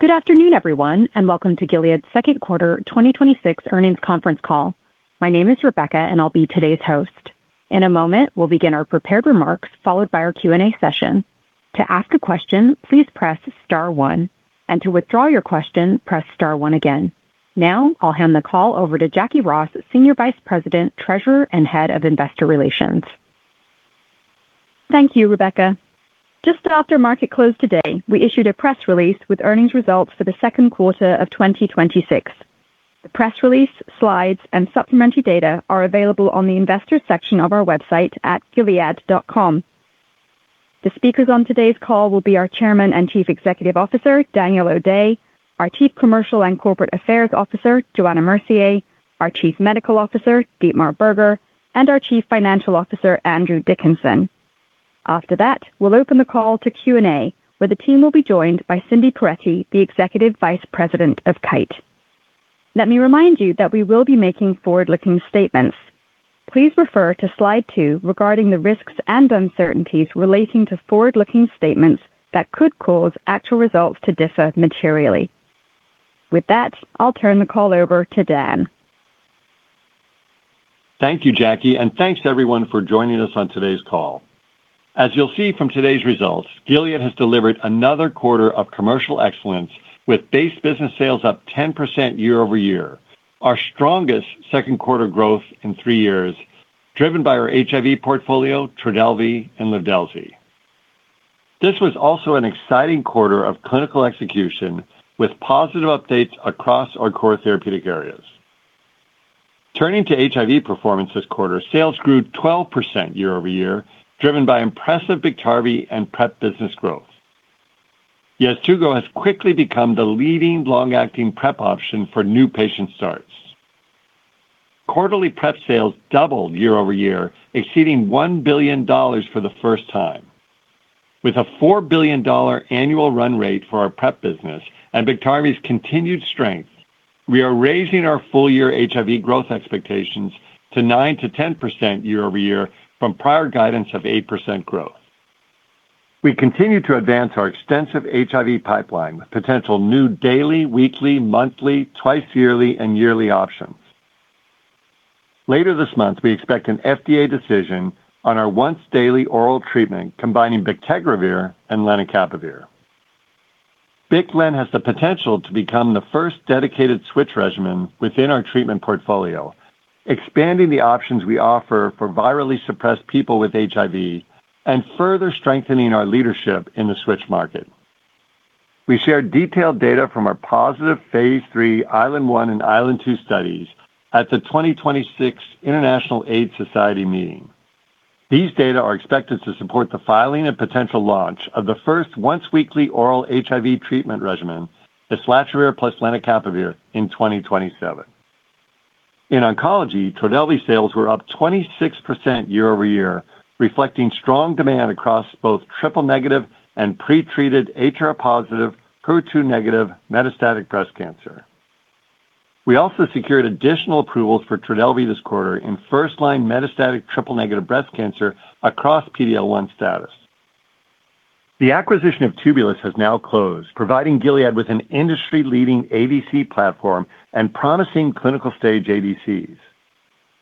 Good afternoon, everyone, welcome to Gilead's second quarter 2026 earnings conference Call. My name is Rebecca and I'll be today's host. In a moment, we'll begin our prepared remarks, followed by our Q&A session. To ask a question, please press star one, to withdraw your question, press star one again. Now, I'll hand the call over to Jacquie Ross, Senior Vice President, Treasurer, and Head of Investor Relations. Thank you, Rebecca. Just after market close today, we issued a press release with earnings results for the second quarter of 2026. The press release, slides, and supplementary data are available on the investors section of our website at gilead.com. The speakers on today's call will be our Chairman and Chief Executive Officer, Daniel O'Day, our Chief Commercial and Corporate Affairs Officer, Johanna Mercier, our Chief Medical Officer, Dietmar Berger, and our Chief Financial Officer, Andrew Dickinson. After that, we'll open the call to Q&A, where the team will be joined by Cindy Perettie, the Executive Vice President of Kite. Let me remind you that we will be making forward-looking statements. Please refer to slide two regarding the risks and uncertainties relating to forward-looking statements that could cause actual results to differ materially. With that, I'll turn the call over to Dan. Thank you, Jacquie, and thanks everyone for joining us on today's call. As you'll see from today's results, Gilead has delivered another quarter of commercial excellence with base business sales up 10% year-over-year. Our strongest second quarter growth in three years, driven by our HIV portfolio, Trodelvy and Livdelzi. This was also an exciting quarter of clinical execution with positive updates across our core therapeutic areas. Turning to HIV performance this quarter, sales grew 12% year-over-year, driven by impressive Biktarvy and PrEP business growth. Yeztugo has quickly become the leading long-acting PrEP option for new patient starts. Quarterly PrEP sales doubled year-over-year, exceeding $1 billion for the first time. With a $4 billion annual run rate for our PrEP business and Biktarvy's continued strength, we are raising our full-year HIV growth expectations to 9%-10% year-over-year from prior guidance of 8% growth. We continue to advance our extensive HIV pipeline with potential new daily, weekly, monthly, twice yearly, and yearly options. Later this month, we expect an FDA decision on our once daily oral treatment combining bictegravir and lenacapavir. BIC/LEN has the potential to become the first dedicated switch regimen within our treatment portfolio, expanding the options we offer for virally suppressed people with HIV and further strengthening our leadership in the switch market. We shared detailed data from our positive phase III ISLEND-1 and ISLEND-2 studies at the 2026 International AIDS Society meeting. These data are expected to support the filing and potential launch of the first once-weekly oral HIV treatment regimen, islatravir plus lenacapavir, in 2027. In oncology, Trodelvy sales were up 26% year-over-year, reflecting strong demand across both triple-negative and pre-treated HR+/HER2- metastatic breast cancer. We also secured additional approvals for Trodelvy this quarter in first-line metastatic triple-negative breast cancer across PD-L1 status. The acquisition of Tubulis has now closed, providing Gilead with an industry-leading ADC platform and promising clinical-stage ADCs.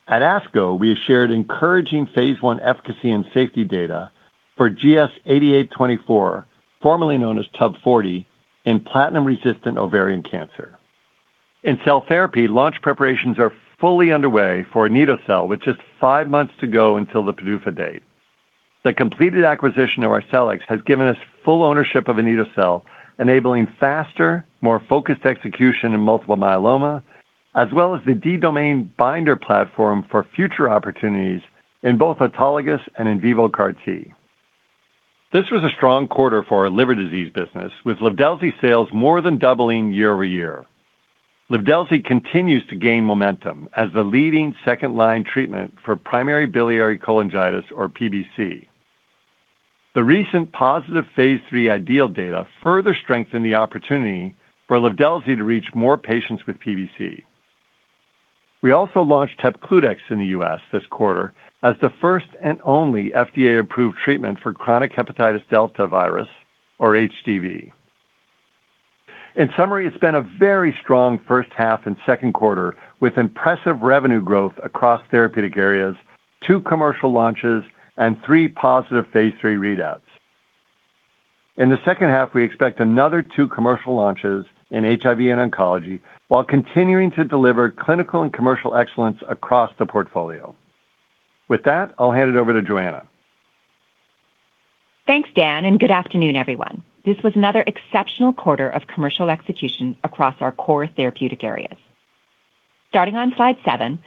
At ASCO, we have shared encouraging phase I efficacy and safety data for GS-8824, formerly known as TUB-040, in platinum-resistant ovarian cancer. In cell therapy, launch preparations are fully underway for anito-cel, with just five months to go until the PDUFA date. The completed acquisition of Arcellx has given us full ownership of anito-cel, enabling faster, more focused execution in multiple myeloma, as well as the D-domain binder platform for future opportunities in both autologous and in vivo CAR T. This was a strong quarter for our liver disease business, with Livdelzi sales more than doubling year-over-year. Livdelzi continues to gain momentum as the leading second-line treatment for primary biliary cholangitis or PBC. The recent positive phase III IDEAL data further strengthened the opportunity for Livdelzi to reach more patients with PBC. We also launched Hepcludex in the U.S. this quarter as the first and only FDA-approved treatment for chronic hepatitis delta virus or HDV. In summary, it's been a very strong first half and second quarter with impressive revenue growth across therapeutic areas, two commercial launches, and three positive phase III readouts. In the second half, we expect another two commercial launches in HIV and oncology while continuing to deliver clinical and commercial excellence across the portfolio. With that, I'll hand it over to Johanna. Thanks, Dan, and good afternoon, everyone. This was another exceptional quarter of commercial execution across our core therapeutic areas. Starting on slide seven,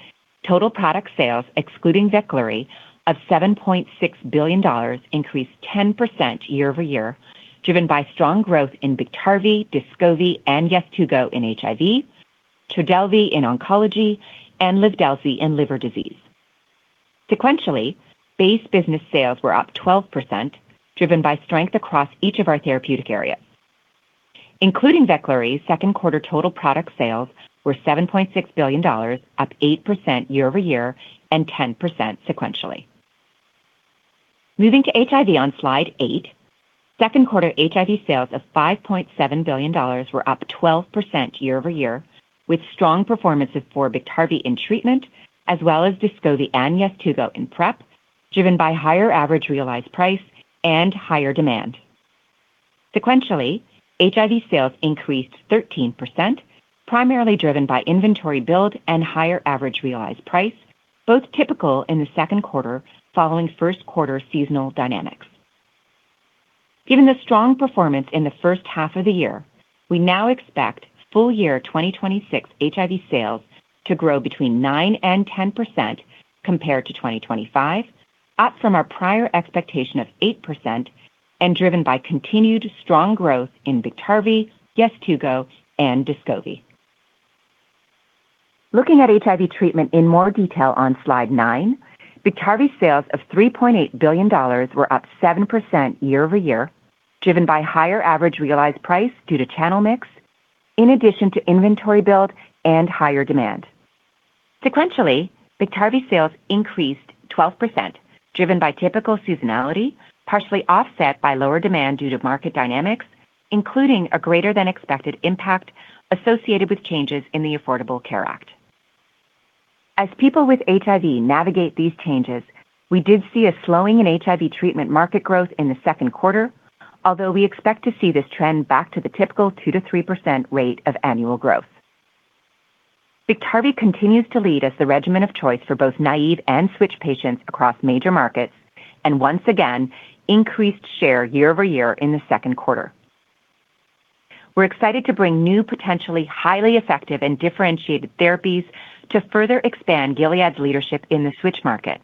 total product sales, excluding Veklury, of $7.6 billion increased 10% year-over-year, driven by strong growth in Biktarvy, Descovy, and Yeztugo in HIV, Trodelvy in oncology, and Livdelzi in liver disease. Sequentially, base business sales were up 12%, driven by strength across each of our therapeutic areas. Including Veklury, second quarter total product sales were $7.6 billion, up 8% year-over-year and 10% sequentially. Moving to HIV on slide eight, second quarter HIV sales of $5.7 billion were up 12% year-over-year with strong performances for Biktarvy in treatment as well as Descovy and Yeztugo in PrEP, driven by higher average realized price and higher demand. Sequentially, HIV sales increased 13%, primarily driven by inventory build and higher average realized price, both typical in the second quarter following first quarter seasonal dynamics. Given the strong performance in the first half of the year, we now expect full year 2026 HIV sales to grow between 9% and 10% compared to 2025, up from our prior expectation of 8% and driven by continued strong growth in Biktarvy, Yeztugo, and Descovy. Looking at HIV treatment in more detail on slide nine, Biktarvy sales of $3.8 billion were up 7% year-over-year, driven by higher average realized price due to channel mix, in addition to inventory build and higher demand. Sequentially, Biktarvy sales increased 12%, driven by typical seasonality, partially offset by lower demand due to market dynamics, including a greater-than-expected impact associated with changes in the Affordable Care Act. As people with HIV navigate these changes, we did see a slowing in HIV treatment market growth in the second quarter, although we expect to see this trend back to the typical 2%-3% rate of annual growth. Biktarvy continues to lead as the regimen of choice for both naive and switch patients across major markets and once again, increased share year-over-year in the second quarter. We're excited to bring new, potentially highly effective and differentiated therapies to further expand Gilead's leadership in the switch market.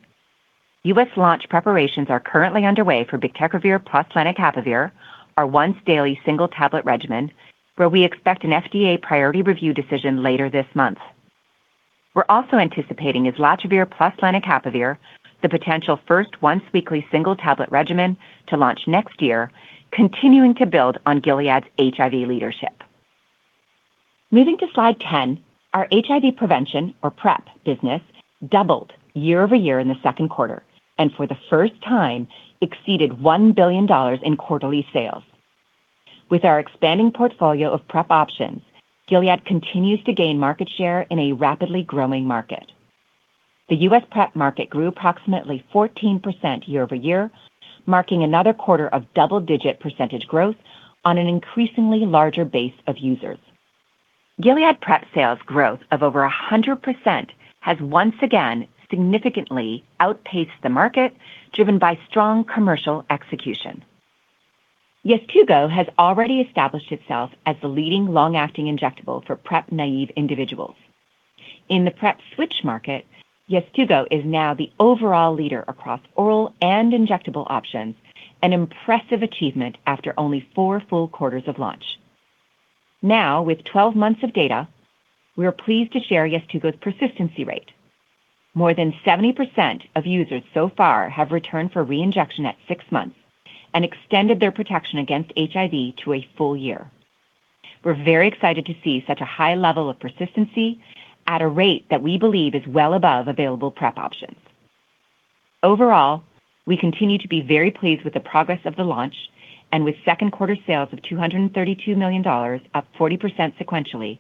U.S. launch preparations are currently underway for bictegravir plus lenacapavir, our once-daily single-tablet regimen, where we expect an FDA priority review decision later this month. We're also anticipating islatravir plus lenacapavir, the potential first once-weekly single-tablet regimen to launch next year, continuing to build on Gilead's HIV leadership. Moving to slide 10, our HIV prevention or PrEP business doubled year-over-year in the second quarter, and for the first time exceeded $1 billion in quarterly sales. With our expanding portfolio of PrEP options, Gilead continues to gain market share in a rapidly growing market. The U.S. PrEP market grew approximately 14% year-over-year, marking another quarter of double-digit percentage growth on an increasingly larger base of users. Gilead PrEP sales growth of over 100% has once again significantly outpaced the market, driven by strong commercial execution. Yeztugo has already established itself as the leading long-acting injectable for PrEP-naive individuals. In the PrEP switch market, Yeztugo is now the overall leader across oral and injectable options, an impressive achievement after only four full quarters of launch. Now, with 12 months of data, we are pleased to share Yeztugo's persistency rate. More than 70% of users so far have returned for reinjection at six months and extended their protection against HIV to a full year. We're very excited to see such a high level of persistency at a rate that we believe is well above available PrEP options. Overall, we continue to be very pleased with the progress of the launch and with second quarter sales of $232 million, up 40% sequentially,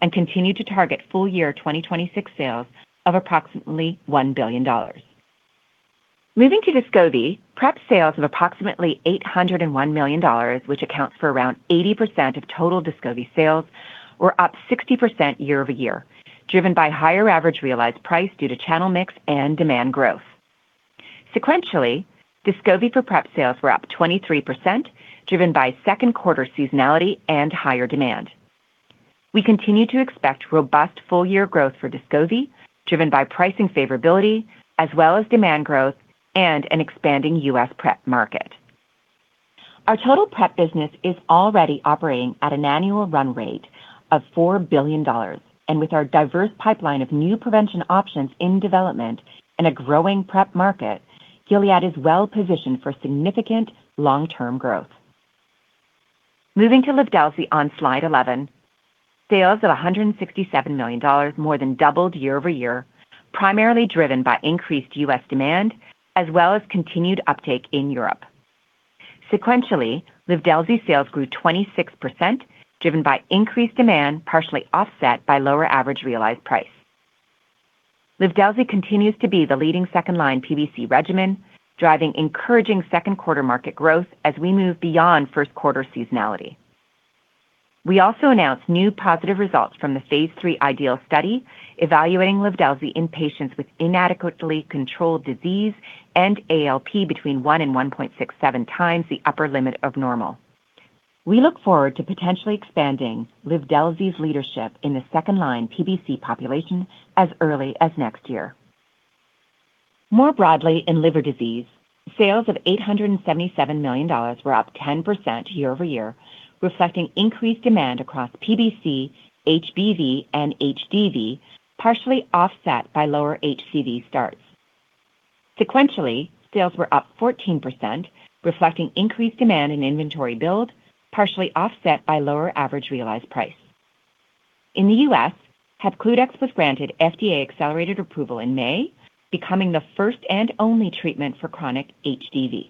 and continue to target full year 2026 sales of approximately $1 billion. Moving to Descovy, PrEP sales of approximately $801 million, which accounts for around 80% of total Descovy sales, were up 60% year-over-year, driven by higher average realized price due to channel mix and demand growth. Sequentially, Descovy for PrEP sales were up 23%, driven by second quarter seasonality and higher demand. We continue to expect robust full year growth for Descovy, driven by pricing favorability as well as demand growth and an expanding U.S. PrEP market. Our total PrEP business is already operating at an annual run rate of $4 billion. With our diverse pipeline of new prevention options in development and a growing PrEP market, Gilead is well-positioned for significant long-term growth. Moving to Livdelzi on slide 11, sales of $167 million more than doubled year-over-year, primarily driven by increased U.S. demand as well as continued uptake in Europe. Sequentially, Livdelzi sales grew 26%, driven by increased demand, partially offset by lower average realized price. Livdelzi continues to be the leading second-line PBC regimen, driving encouraging second quarter market growth as we move beyond first quarter seasonality. We also announced new positive results from the phase III IDEAL study evaluating Livdelzi in patients with inadequately controlled disease and ALP between one and 1.67 times the upper limit of normal. We look forward to potentially expanding Livdelzi's leadership in the second-line PBC population as early as next year. More broadly, in liver disease, sales of $877 million were up 10% year-over-year, reflecting increased demand across PBC, HBV, and HDV, partially offset by lower HCV starts. Sequentially, sales were up 14%, reflecting increased demand and inventory build, partially offset by lower average realized price. In the U.S., Hepcludex was granted FDA accelerated approval in May, becoming the first and only treatment for chronic HDV.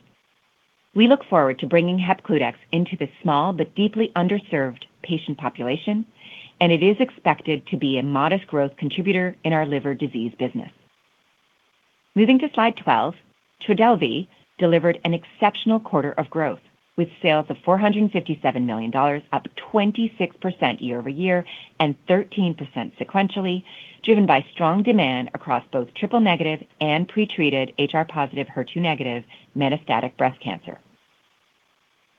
We look forward to bringing Hepcludex into the small but deeply underserved patient population, and it is expected to be a modest growth contributor in our liver disease business. Moving to slide 12, Trodelvy delivered an exceptional quarter of growth, with sales of $457 million, up 26% year-over-year and 13% sequentially, driven by strong demand across both triple-negative and pretreated HR+/HER2- metastatic breast cancer.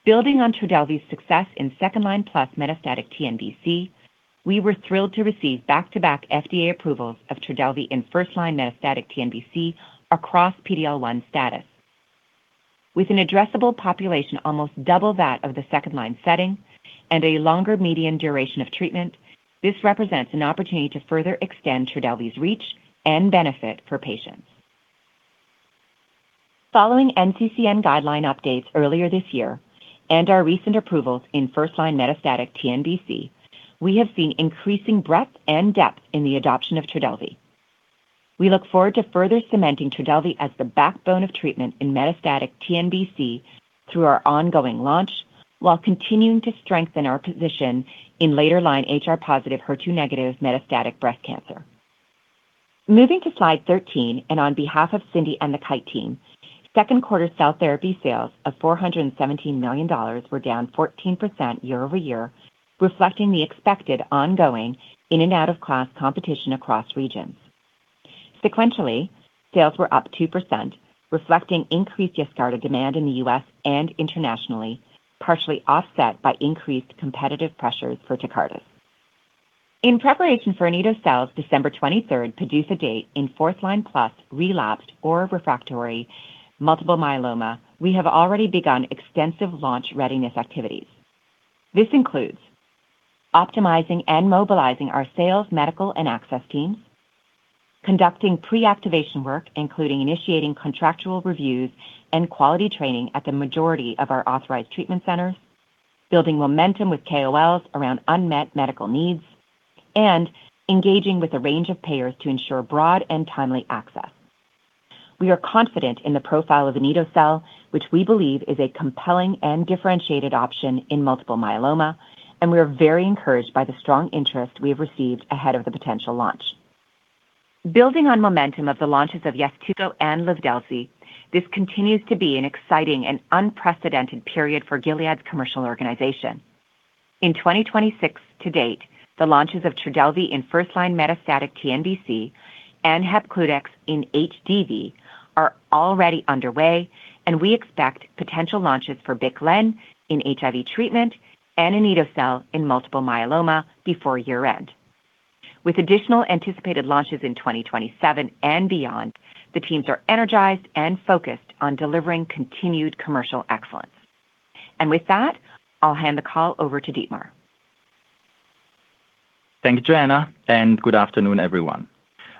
Building on Trodelvy's success in second-line plus metastatic TNBC, we were thrilled to receive back-to-back FDA approvals of Trodelvy in first-line metastatic TNBC across PD-L1 status. With an addressable population almost double that of the second-line setting and a longer median duration of treatment, this represents an opportunity to further extend Trodelvy's reach and benefit for patients. Following NCCN guideline updates earlier this year and our recent approvals in first-line metastatic TNBC, we have seen increasing breadth and depth in the adoption of Trodelvy. We look forward to further cementing Trodelvy as the backbone of treatment in metastatic TNBC through our ongoing launch while continuing to strengthen our position in later-line HR+/HER2- metastatic breast cancer. Moving to slide 13, and on behalf of Cindy and the Kite team, second quarter cell therapy sales of $417 million were down 14% year-over-year, reflecting the expected ongoing in and out of class competition across regions. Sequentially, sales were up 2%, reflecting increased Yescarta demand in the U.S. and internationally, partially offset by increased competitive pressures for Tecartus. In preparation for anito-cel's December 23rd PDUFA date in fourth-line plus relapsed or refractory multiple myeloma, we have already begun extensive launch readiness activities. This includes optimizing and mobilizing our sales, medical, and access teams, conducting pre-activation work, including initiating contractual reviews and quality training at the majority of our authorized treatment centers, building momentum with KOLs around unmet medical needs, and engaging with a range of payers to ensure broad and timely access. We are confident in the profile of anito-cel, which we believe is a compelling and differentiated option in multiple myeloma, and we are very encouraged by the strong interest we have received ahead of the potential launch. Building on momentum of the launches of Yescarta and Livdelzi, this continues to be an exciting and unprecedented period for Gilead's commercial organization. In 2026 to date, the launches of Trodelvy in first-line metastatic TNBC and Hepcludex in HDV are already underway, and we expect potential launches for BIC/LEN in HIV treatment and anito-cel in multiple myeloma before year-end. With additional anticipated launches in 2027 and beyond, the teams are energized and focused on delivering continued commercial excellence. With that, I'll hand the call over to Dietmar. Thank you, Johanna, and good afternoon, everyone.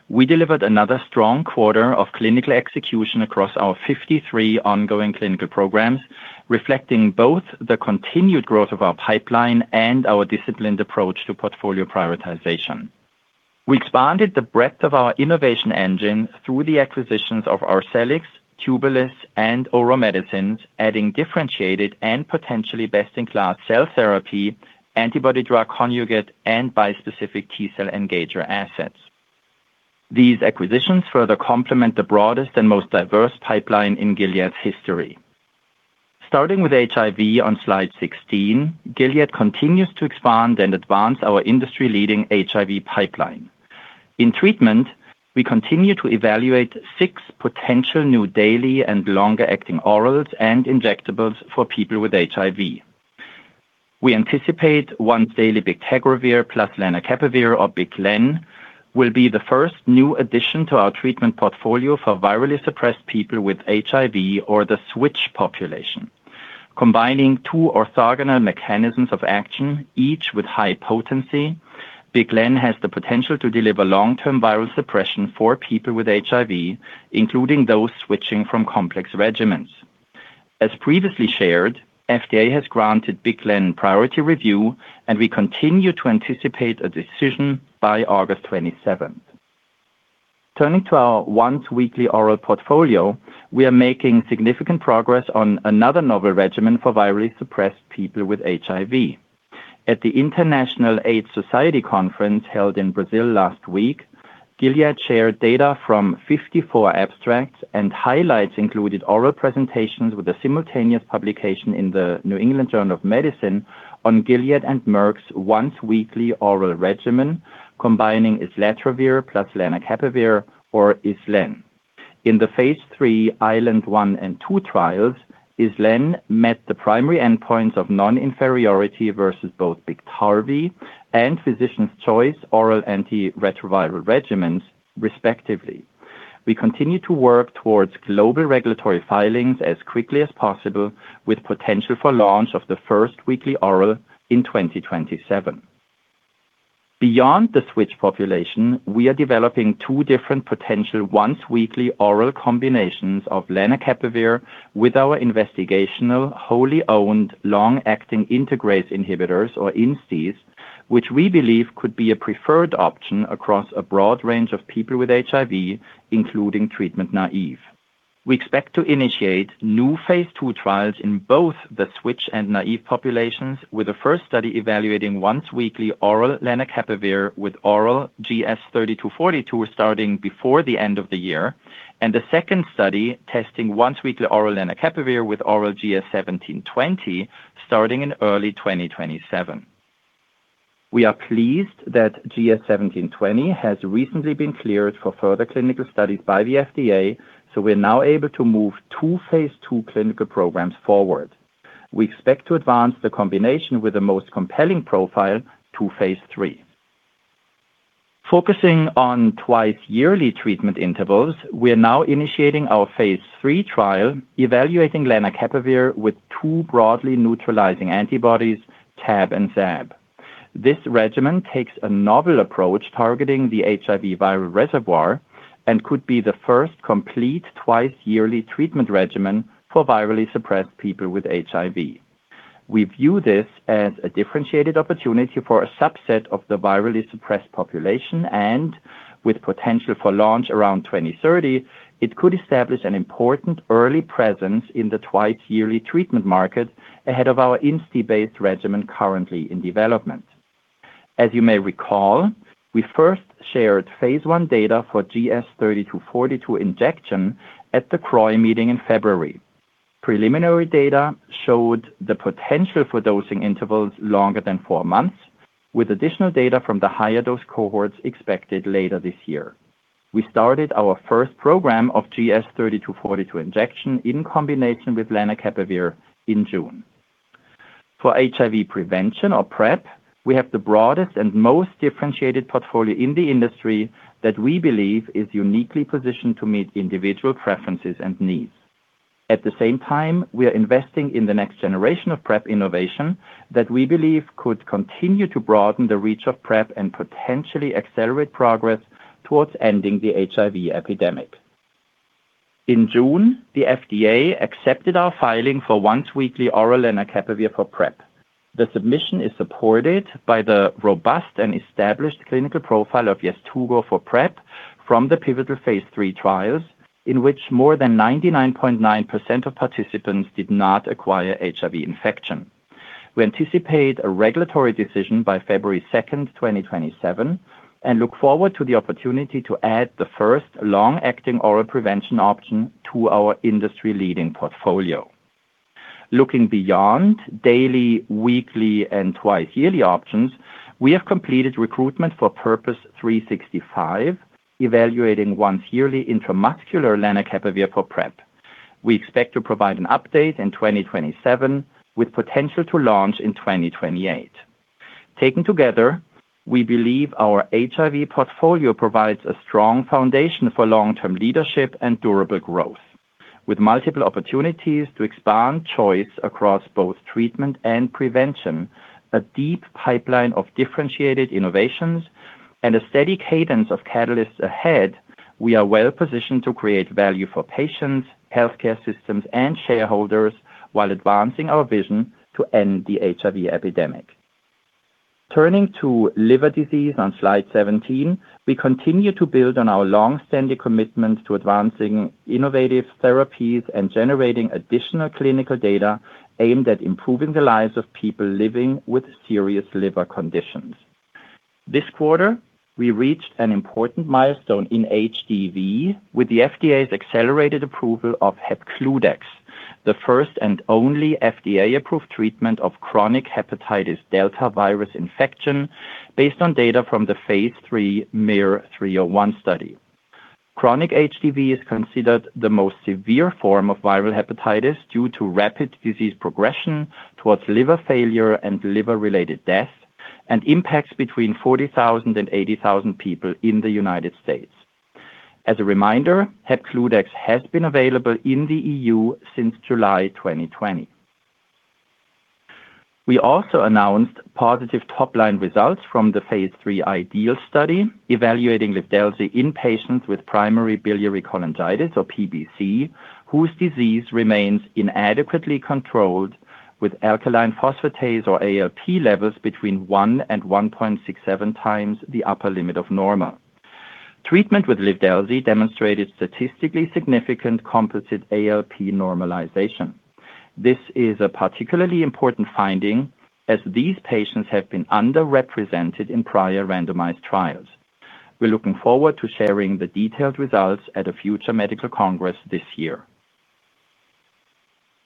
We delivered another strong quarter of clinical execution across our 53 ongoing clinical programs, reflecting both the continued growth of our pipeline and our disciplined approach to portfolio prioritization. We expanded the breadth of our innovation engine through the acquisitions of Arcellx, Tubulis, and Ouro Medicines, adding differentiated and potentially best-in-class cell therapy, antibody drug conjugate, and bispecific T-cell engager assets. These acquisitions further complement the broadest and most diverse pipeline in Gilead's history. Starting with HIV on slide 16, Gilead continues to expand and advance our industry-leading HIV pipeline. In treatment, we continue to evaluate six potential new daily and longer-acting orals and injectables for people with HIV. We anticipate once daily bictegravir plus lenacapavir or BIC/LEN will be the first new addition to our treatment portfolio for virally suppressed people with HIV or the switch population. Combining two orthogonal mechanisms of action, each with high potency, BIC/LEN has the potential to deliver long-term viral suppression for people with HIV, including those switching from complex regimens. As previously shared, FDA has granted BIC/LEN priority review, we continue to anticipate a decision by August 27th. Turning to our once-weekly oral portfolio, we are making significant progress on another novel regimen for virally suppressed people with HIV. At the International AIDS Society Conference held in Brazil last week, Gilead shared data from 54 abstracts, highlights included oral presentations with a simultaneous publication in the New England Journal of Medicine on Gilead and Merck's once-weekly oral regimen, combining islatravir plus lenacapavir or ISL/LEN. In the phase III ISLEND-1 and two trials, ISL/LEN met the primary endpoints of non-inferiority versus both Biktarvy and physician's choice oral antiretroviral regimens, respectively. We continue to work towards global regulatory filings as quickly as possible, with potential for launch of the first weekly oral in 2027. Beyond the switch population, we are developing two different potential once-weekly oral combinations of lenacapavir with our investigational, wholly-owned, long-acting integrase inhibitors or INSTIs. Which we believe could be a preferred option across a broad range of people with HIV, including treatment-naïve. We expect to initiate new phase II trials in both the switch and naïve populations, with a first study evaluating once-weekly oral lenacapavir with oral GS-3242 starting before the end of the year, a second study testing once-weekly oral lenacapavir with oral GS-1720 starting in early 2027. We are pleased that GS-1720 has recently been cleared for further clinical studies by the FDA, we're now able to move two phase II clinical programs forward. We expect to advance the combination with the most compelling profile to phase III. Focusing on twice-yearly treatment intervals, we are now initiating our phase III trial evaluating lenacapavir with two broadly neutralizing antibodies, TAB and SAB. This regimen takes a novel approach targeting the HIV viral reservoir and could be the first complete twice-yearly treatment regimen for virally suppressed people with HIV. We view this as a differentiated opportunity for a subset of the virally suppressed population and, with potential for launch around 2030, it could establish an important early presence in the twice-yearly treatment market ahead of our INSTI-based regimen currently in development. As you may recall, we first shared phase I data for GS-3242 injection at the CROI meeting in February. Preliminary data showed the potential for dosing intervals longer than four months, with additional data from the higher dose cohorts expected later this year. We started our first program of GS-3242 injection in combination with lenacapavir in June. For HIV prevention or PrEP, we have the broadest and most differentiated portfolio in the industry that we believe is uniquely positioned to meet individual preferences and needs. At the same time, we are investing in the next generation of PrEP innovation that we believe could continue to broaden the reach of PrEP and potentially accelerate progress towards ending the HIV epidemic. In June, the FDA accepted our filing for once-weekly oral lenacapavir for PrEP. The submission is supported by the robust and established clinical profile of Yeztugo for PrEP from the pivotal phase III trials, in which more than 99.9% of participants did not acquire HIV infection. We anticipate a regulatory decision by February 2nd, 2027, and look forward to the opportunity to add the first long-acting oral prevention option to our industry-leading portfolio. Looking beyond daily, weekly, and twice-yearly options, we have completed recruitment for PURPOSE 365, evaluating once-yearly intramuscular lenacapavir for PrEP. We expect to provide an update in 2027, with potential to launch in 2028. Taken together, we believe our HIV portfolio provides a strong foundation for long-term leadership and durable growth. With multiple opportunities to expand choice across both treatment and prevention, a deep pipeline of differentiated innovations, and a steady cadence of catalysts ahead, we are well-positioned to create value for patients, healthcare systems, and shareholders while advancing our vision to end the HIV epidemic. Turning to liver disease on slide 17, we continue to build on our longstanding commitment to advancing innovative therapies and generating additional clinical data aimed at improving the lives of people living with serious liver conditions. This quarter, we reached an important milestone in HDV with the FDA's accelerated approval of Hepcludex, the first and only FDA-approved treatment of chronic hepatitis delta virus infection based on data from the phase III MYR-301 study. Chronic HDV is considered the most severe form of viral hepatitis due to rapid disease progression towards liver failure and liver-related death, and impacts between 40,000 and 80,000 people in the United States. As a reminder, Hepcludex has been available in the EU since July 2020. We also announced positive top-line results from the phase III IDEAL study evaluating Livdelzi in patients with primary biliary cholangitis, or PBC, whose disease remains inadequately controlled with alkaline phosphatase or ALP levels between 1 and 1.67 times the upper limit of normal. Treatment with Livdelzi demonstrated statistically significant composite ALP normalization. This is a particularly important finding, as these patients have been underrepresented in prior randomized trials. We're looking forward to sharing the detailed results at a future medical congress this year.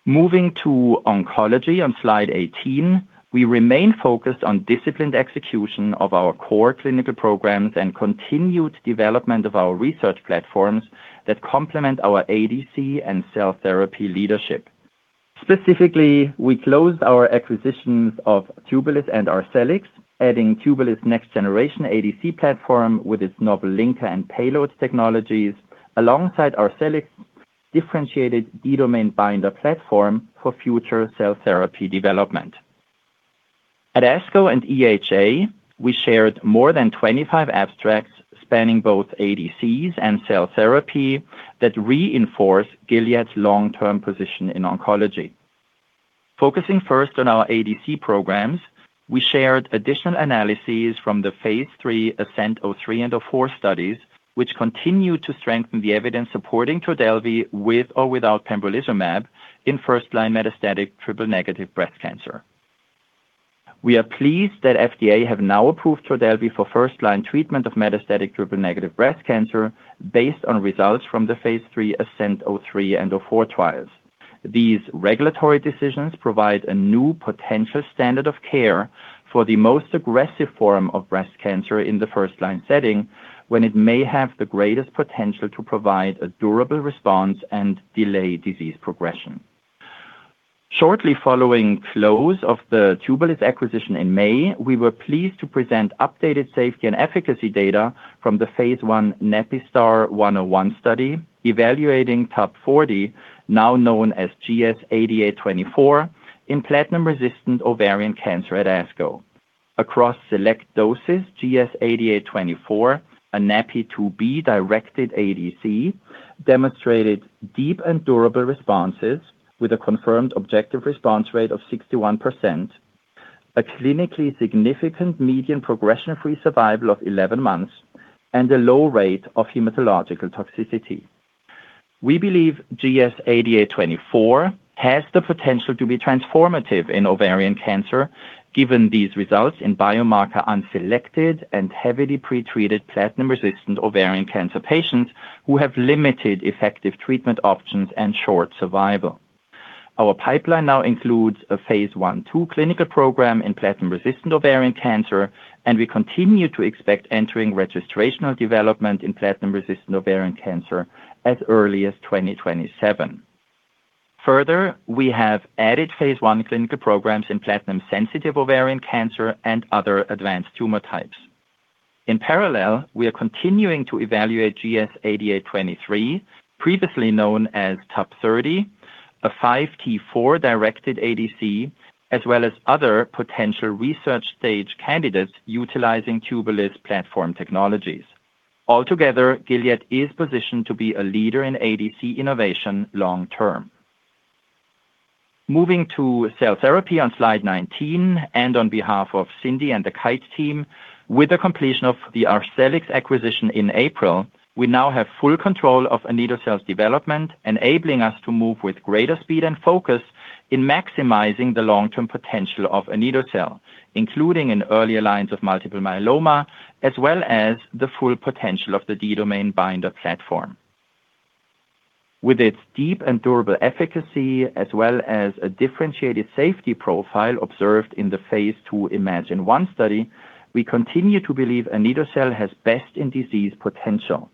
Moving to oncology on slide 18, we remain focused on disciplined execution of our core clinical programs and continued development of our research platforms that complement our ADC and cell therapy leadership. Specifically, we closed our acquisitions of Tubulis and Arcellx, adding Tubulis' next-generation ADC platform with its novel linker and payload technologies, alongside Arcellx's differentiated D-domain binder platform for future cell therapy development. At ASCO and EHA, we shared more than 25 abstracts spanning both ADCs and cell therapy that reinforce Gilead's long-term position in oncology. Focusing first on our ADC programs, we shared additional analyses from the phase III ASCENT-03 and 04 studies, which continue to strengthen the evidence supporting Trodelvy with or without pembrolizumab in first-line metastatic triple-negative breast cancer. We are pleased that FDA have now approved Trodelvy for first-line treatment of metastatic triple-negative breast cancer based on results from the phase III ASCENT-03 and 04 trials. These regulatory decisions provide a new potential standard of care for the most aggressive form of breast cancer in the first-line setting when it may have the greatest potential to provide a durable response and delay disease progression. Shortly following close of the Tubulis acquisition in May, we were pleased to present updated safety and efficacy data from the phase I NaPiSTAR-101 study evaluating TUB-040, now known as GS-8824, in platinum-resistant ovarian cancer at ASCO. Across select doses, GS-8824, a NaPi2b-directed ADC, demonstrated deep and durable responses with a confirmed objective response rate of 61%, a clinically significant median progression-free survival of 11 months, and a low rate of hematological toxicity. We believe GS-8824 has the potential to be transformative in ovarian cancer given these results in biomarker-unselected and heavily pretreated platinum-resistant ovarian cancer patients who have limited effective treatment options and short survival. Our pipeline now includes a phase I/II clinical program in platinum-resistant ovarian cancer, and we continue to expect entering registrational development in platinum-resistant ovarian cancer as early as 2027. Further, we have added phase I clinical programs in platinum-sensitive ovarian cancer and other advanced tumor types. In parallel, we are continuing to evaluate GS-8823, previously known as TUB-030, a 5T4-directed ADC, as well as other potential research stage candidates utilizing Tubulis platform technologies. Altogether, Gilead is positioned to be a leader in ADC innovation long term. Moving to cell therapy on slide 19, and on behalf of Cindy and the Kite team, with the completion of the Arcellx acquisition in April, we now have full control of anito-cel's development, enabling us to move with greater speed and focus in maximizing the long-term potential of anito-cel, including in earlier lines of multiple myeloma, as well as the full potential of the D-domain binder platform. With its deep and durable efficacy, as well as a differentiated safety profile observed in the phase II iMMagine-1 study, we continue to believe anito-cel has best-in-disease potential,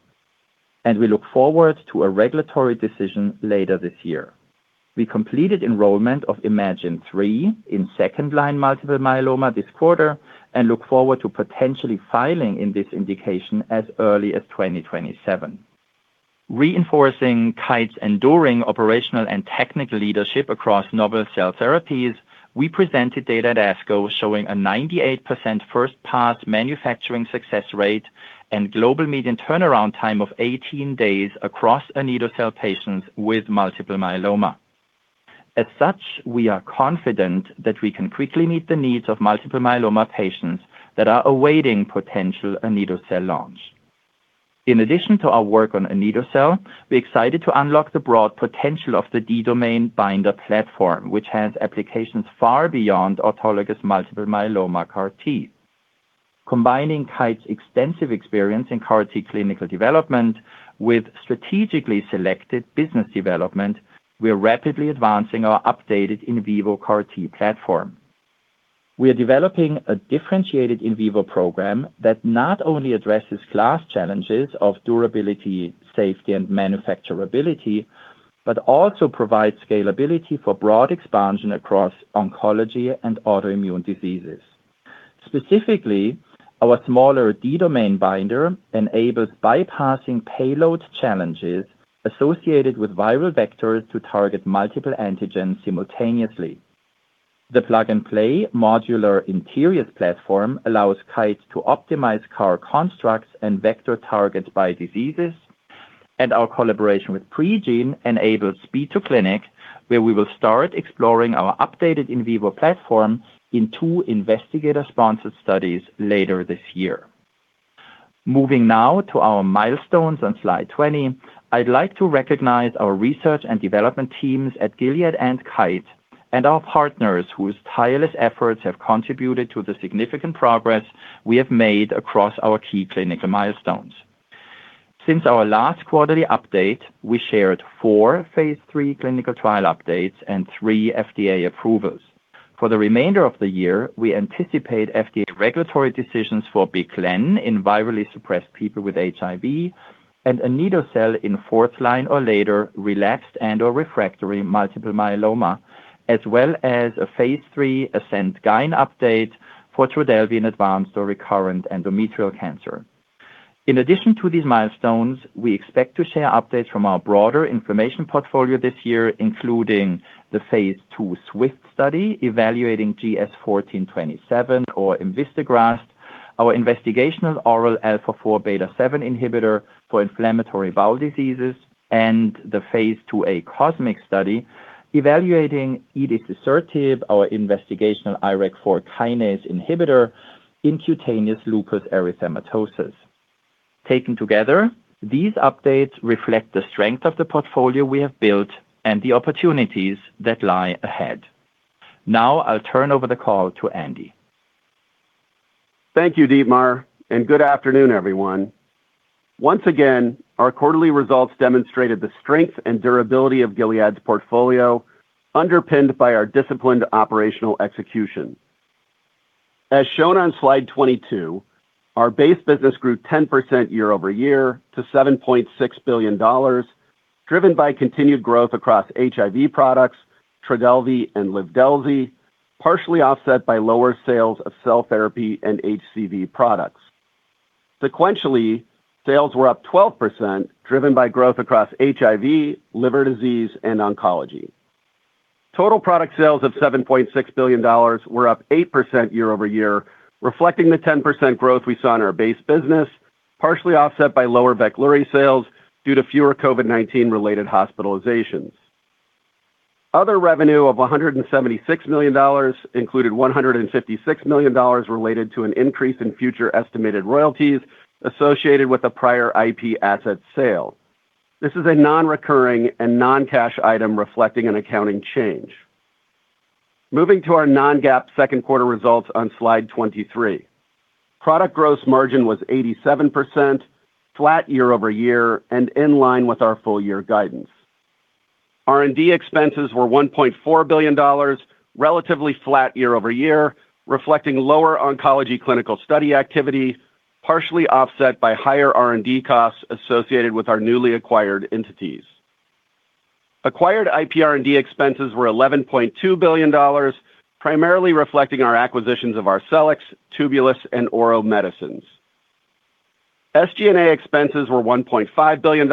and we look forward to a regulatory decision later this year. We completed enrollment of iMMagine-3 in second-line multiple myeloma this quarter and look forward to potentially filing in this indication as early as 2027. Reinforcing Kite's enduring operational and technical leadership across novel cell therapies, we presented data at ASCO showing a 98% first-pass manufacturing success rate and global median turnaround time of 18 days across anito-cel patients with multiple myeloma. As such, we are confident that we can quickly meet the needs of multiple myeloma patients that are awaiting potential anito-cel launch. In addition to our work on anito-cel, we are excited to unlock the broad potential of the D-domain binder platform, which has applications far beyond autologous multiple myeloma CAR T. Combining Kite's extensive experience in CAR T clinical development with strategically selected business development, we are rapidly advancing our updated in vivo CAR T platform. We are developing a differentiated in vivo program that not only addresses class challenges of durability, safety, and manufacturability, but also provides scalability for broad expansion across oncology and autoimmune diseases. Specifically, our smaller D-domain binder enables bypassing payload challenges associated with viral vectors to target multiple antigens simultaneously. The plug-and-play modular in vivo platform allows Kite to optimize CAR constructs and vector targets by diseases. Our collaboration with Pregene enables speed to clinic, where we will start exploring our updated in vivo platform in two investigator-sponsored studies later this year. Moving now to our milestones on slide 20, I would like to recognize our research and development teams at Gilead and Kite and our partners whose tireless efforts have contributed to the significant progress we have made across our key clinical milestones. Since our last quarterly update, we shared four phase III clinical trial updates and three FDA approvals. For the remainder of the year, we anticipate FDA regulatory decisions for BIC/LEN in virally suppressed people with HIV and anito-cel in fourth line or later relapsed and/or refractory multiple myeloma, as well as a phase III ASCENT-GYN-01 update for Trodelvy in advanced or recurrent endometrial cancer. In addition to these milestones, we expect to share updates from our broader information portfolio this year, including the phase II SWIFT study evaluating GS-1427 or emvistegrast, our investigational oral α4β7 inhibitor for inflammatory bowel diseases and the phase II-A COSMIC study evaluating edecesertib, our investigational IRAK4 kinase inhibitor in cutaneous lupus erythematosus. Taken together, these updates reflect the strength of the portfolio we have built and the opportunities that lie ahead. I will turn over the call to Andy. Thank you, Dietmar, and good afternoon, everyone. Once again, our quarterly results demonstrated the strength and durability of Gilead's portfolio, underpinned by our disciplined operational execution. As shown on slide 22, our base business grew 10% year-over-year to $7.6 billion, driven by continued growth across HIV products, Trodelvy and Livdelzi, partially offset by lower sales of cell therapy and HCV products. Sequentially, sales were up 12%, driven by growth across HIV, liver disease, and oncology. Total product sales of $7.6 billion were up 8% year-over-year, reflecting the 10% growth we saw in our base business, partially offset by lower Veklury sales due to fewer COVID-19 related hospitalizations. Other revenue of $176 million included $156 million related to an increase in future estimated royalties associated with a prior IP asset sale. This is a non-recurring and non-cash item reflecting an accounting change. Moving to our non-GAAP second quarter results on slide 23. Product gross margin was 87%, flat year-over-year and in line with our full year guidance. R&D expenses were $1.4 billion, relatively flat year-over-year, reflecting lower oncology clinical study activity, partially offset by higher R&D costs associated with our newly acquired entities. Acquired IPR&D expenses were $11.2 billion, primarily reflecting our acquisitions of Arcellx, Tubulis, and Ouro Medicines. SG&A expenses were $1.5 billion,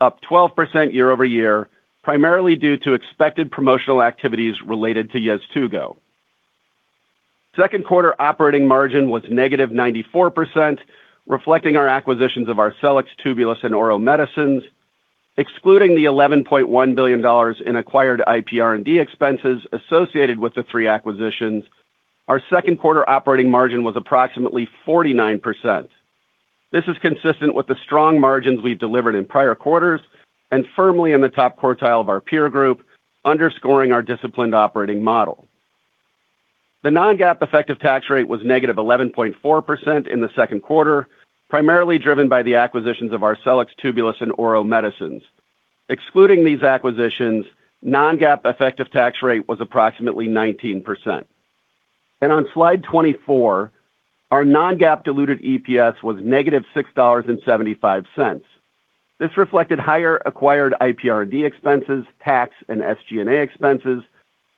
up 12% year-over-year, primarily due to expected promotional activities related to Yeztugo. Second quarter operating margin was -94%, reflecting our acquisitions of Arcellx, Tubulis, and Ouro Medicines. Excluding the $11.1 billion in acquired IPR&D expenses associated with the three acquisitions, our second quarter operating margin was approximately 49%. This is consistent with the strong margins we've delivered in prior quarters and firmly in the top quartile of our peer group, underscoring our disciplined operating model. The non-GAAP effective tax rate was -11.4% in the second quarter, primarily driven by the acquisitions of Arcellx, Tubulis, and Ouro Medicines. Excluding these acquisitions, non-GAAP effective tax rate was approximately 19%. On slide 24, our non-GAAP diluted EPS was -$6.75. This reflected higher acquired IPR&D expenses, tax, and SG&A expenses,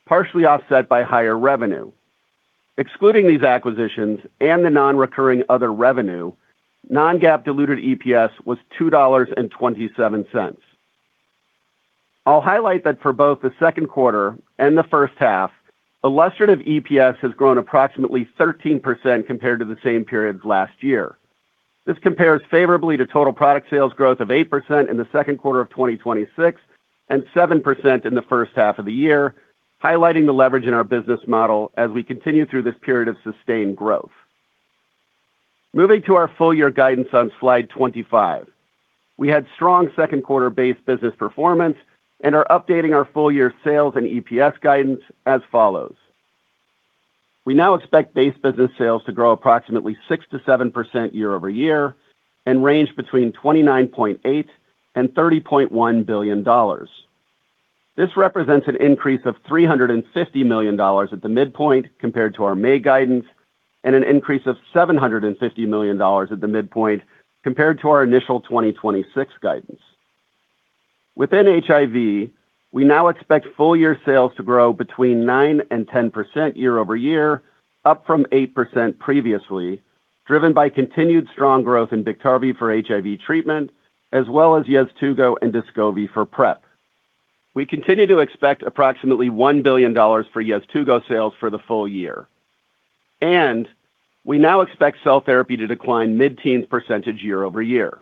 partially offset by higher revenue. Excluding these acquisitions and the non-recurring other revenue, non-GAAP diluted EPS was $2.27. I'll highlight that for both the second quarter and the first half, illustrative EPS has grown approximately 13% compared to the same period last year. This compares favorably to total product sales growth of 8% in the second quarter of 2026, and 7% in the first half of the year, highlighting the leverage in our business model as we continue through this period of sustained growth. Moving to our full year guidance on slide 25. We had strong second quarter base business performance and are updating our full year sales and EPS guidance as follows. We now expect base business sales to grow approximately 6%-7% year-over-year and range between $29.8 billion and $30.1 billion. This represents an increase of $350 million at the midpoint compared to our May guidance and an increase of $750 million at the midpoint compared to our initial 2026 guidance. Within HIV, we now expect full year sales to grow between 9% and 10% year-over-year, up from 8% previously, driven by continued strong growth in Biktarvy for HIV treatment, as well as Yeztugo and Descovy for PrEP. We continue to expect approximately $1 billion for Yeztugo sales for the full year. We now expect cell therapy to decline mid-teens percentage year-over-year.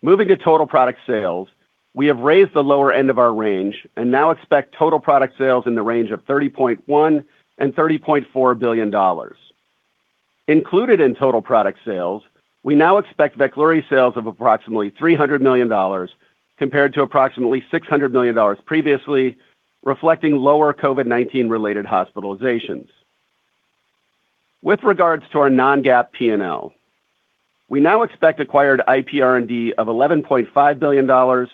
Moving to total product sales, we have raised the lower end of our range and now expect total product sales in the range of $30.1 billion and $30.4 billion. Included in total product sales, we now expect Veklury sales of approximately $300 million compared to approximately $600 million previously, reflecting lower COVID-19 related hospitalizations. With regards to our non-GAAP P&L, we now expect acquired IPR&D of $11.5 billion,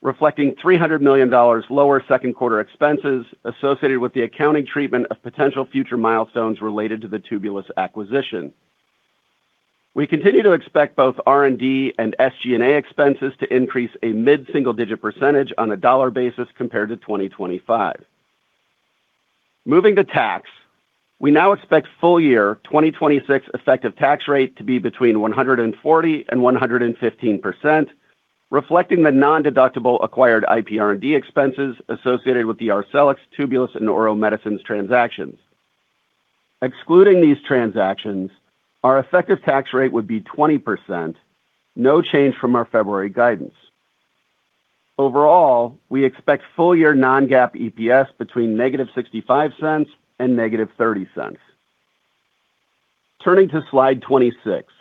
reflecting $300 million lower second quarter expenses associated with the accounting treatment of potential future milestones related to the Tubulis acquisition. We continue to expect both R&D and SG&A expenses to increase a mid-single digit percentage on a dollar basis compared to 2025. Moving to tax. We now expect full-year 2026 effective tax rate to be between 140% and 115% reflecting the nondeductible acquired IPR&D expenses associated with the Arcellx, Tubulis, and Ouro Medicines transactions. Excluding these transactions, our effective tax rate would be 20%, no change from our February guidance. Overall, we expect full-year non-GAAP EPS between -$0.65 and -$0.30. Turning to slide 26.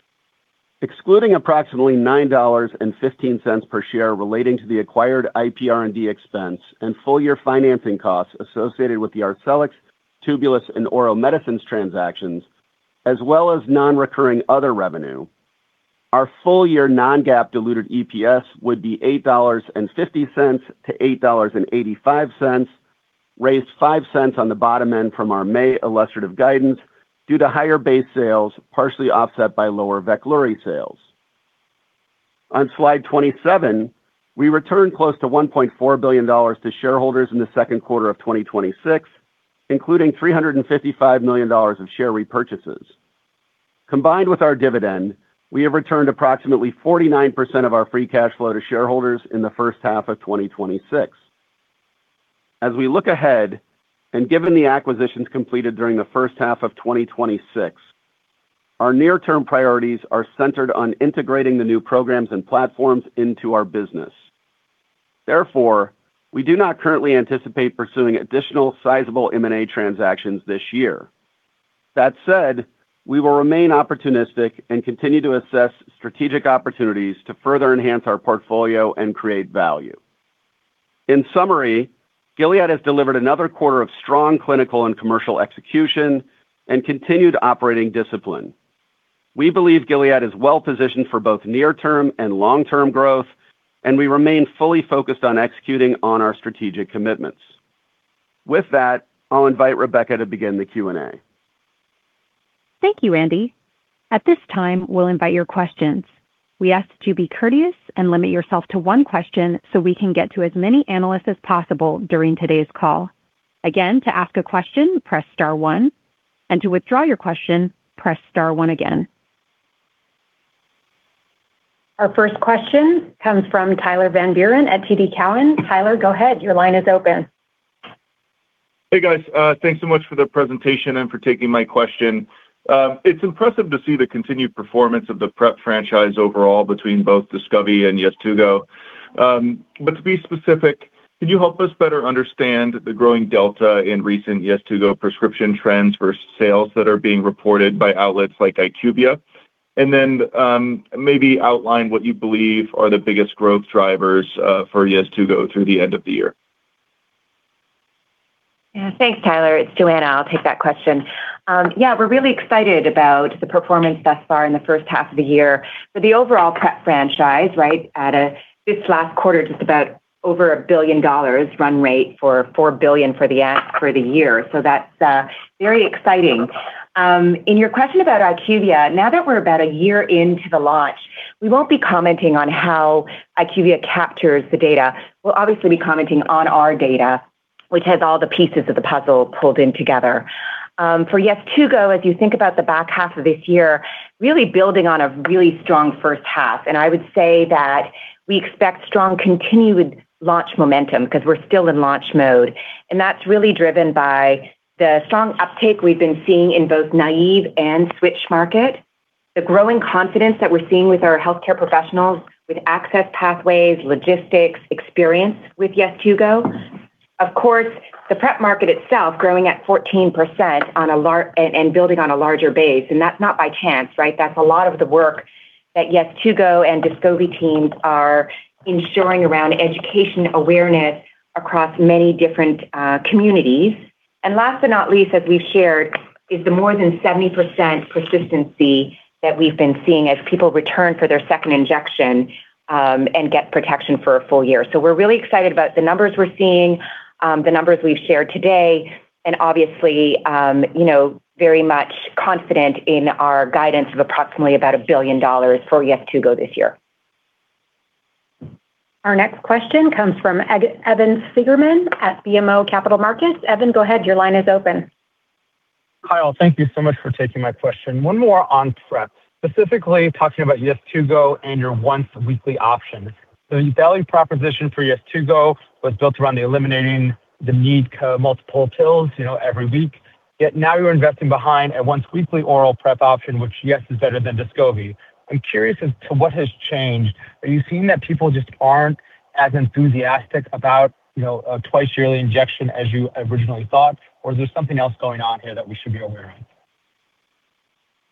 Excluding approximately $9.15 per share relating to the acquired IPR&D expense and full-year financing costs associated with the Arcellx, Tubulis, and Ouro Medicines transactions, as well as non-recurring other revenue, our full-year non-GAAP diluted EPS would be $8.50-$8.85, raised $0.05 on the bottom end from our May illustrative guidance due to higher base sales, partially offset by lower Veklury sales. On slide 27, we returned close to $1.4 billion to shareholders in the second quarter of 2026, including $355 million of share repurchases. Combined with our dividend, we have returned approximately 49% of our free cash flow to shareholders in the first half of 2026. As we look ahead, and given the acquisitions completed during the first half of 2026, our near-term priorities are centered on integrating the new programs and platforms into our business. Therefore, we do not currently anticipate pursuing additional sizable M&A transactions this year. That said, we will remain opportunistic and continue to assess strategic opportunities to further enhance our portfolio and create value. In summary, Gilead has delivered another quarter of strong clinical and commercial execution and continued operating discipline. We believe Gilead is well-positioned for both near-term and long-term growth, and we remain fully focused on executing on our strategic commitments. With that, I'll invite Rebecca to begin the Q&A. Thank you, Andy. At this time, we'll invite your questions. We ask that you be courteous and limit yourself to one question so we can get to as many analysts as possible during today's call. Again, to ask a question, press star one, and to withdraw your question, press star one again. Our first question comes from Tyler Van Buren at TD Cowen. Tyler, go ahead. Your line is open. Hey, guys. Thanks so much for the presentation and for taking my question. It's impressive to see the continued performance of the PrEP franchise overall between both Descovy and Yeztugo. To be specific, can you help us better understand the growing delta in recent Yeztugo prescription trends versus sales that are being reported by outlets like IQVIA? Maybe outline what you believe are the biggest growth drivers for Yeztugo through the end of the year. Thanks, Tyler. It's Johanna. I'll take that question. We're really excited about the performance thus far in the first half of the year for the overall PrEP franchise. At this last quarter, just about over a $1 billion run rate for $4 billion for the ask for the year. That's very exciting. In your question about IQVIA, now that we're about a year into the launch, we won't be commenting on how IQVIA captures the data. We'll obviously be commenting on our data, which has all the pieces of the puzzle pulled in together. For Yeztugo, as you think about the back half of this year, really building on a really strong first half. I would say that we expect strong continued launch momentum because we're still in launch mode. That's really driven by the strong uptake we've been seeing in both naive and switch market, the growing confidence that we're seeing with our healthcare professionals with access pathways, logistics, experience with Yeztugo. Of course, the PrEP market itself growing at 14% and building on a larger base. That's not by chance. That's a lot of the work that Yeztugo and Descovy teams are ensuring around education awareness across many different communities. Last but not least, as we've shared, is the more than 70% persistency that we've been seeing as people return for their second injection and get protection for a full year. We're really excited about the numbers we're seeing, the numbers we've shared today, and obviously, very much confident in our guidance of approximately about $1 billion for Yeztugo this year. Our next question comes from Evan Seigerman at BMO Capital Markets. Evan, go ahead, your line is open. Hi, thank you so much for taking my question. One more on PrEP, specifically talking about Yeztugo and your once-weekly option. The value proposition for Yeztugo was built around eliminating the need for multiple pills every week, yet now you're investing behind a once-weekly oral PrEP option, which, yes, is better than Descovy. I'm curious as to what has changed. Are you seeing that people just aren't as enthusiastic about a twice-yearly injection as you originally thought, or is there something else going on here that we should be aware of?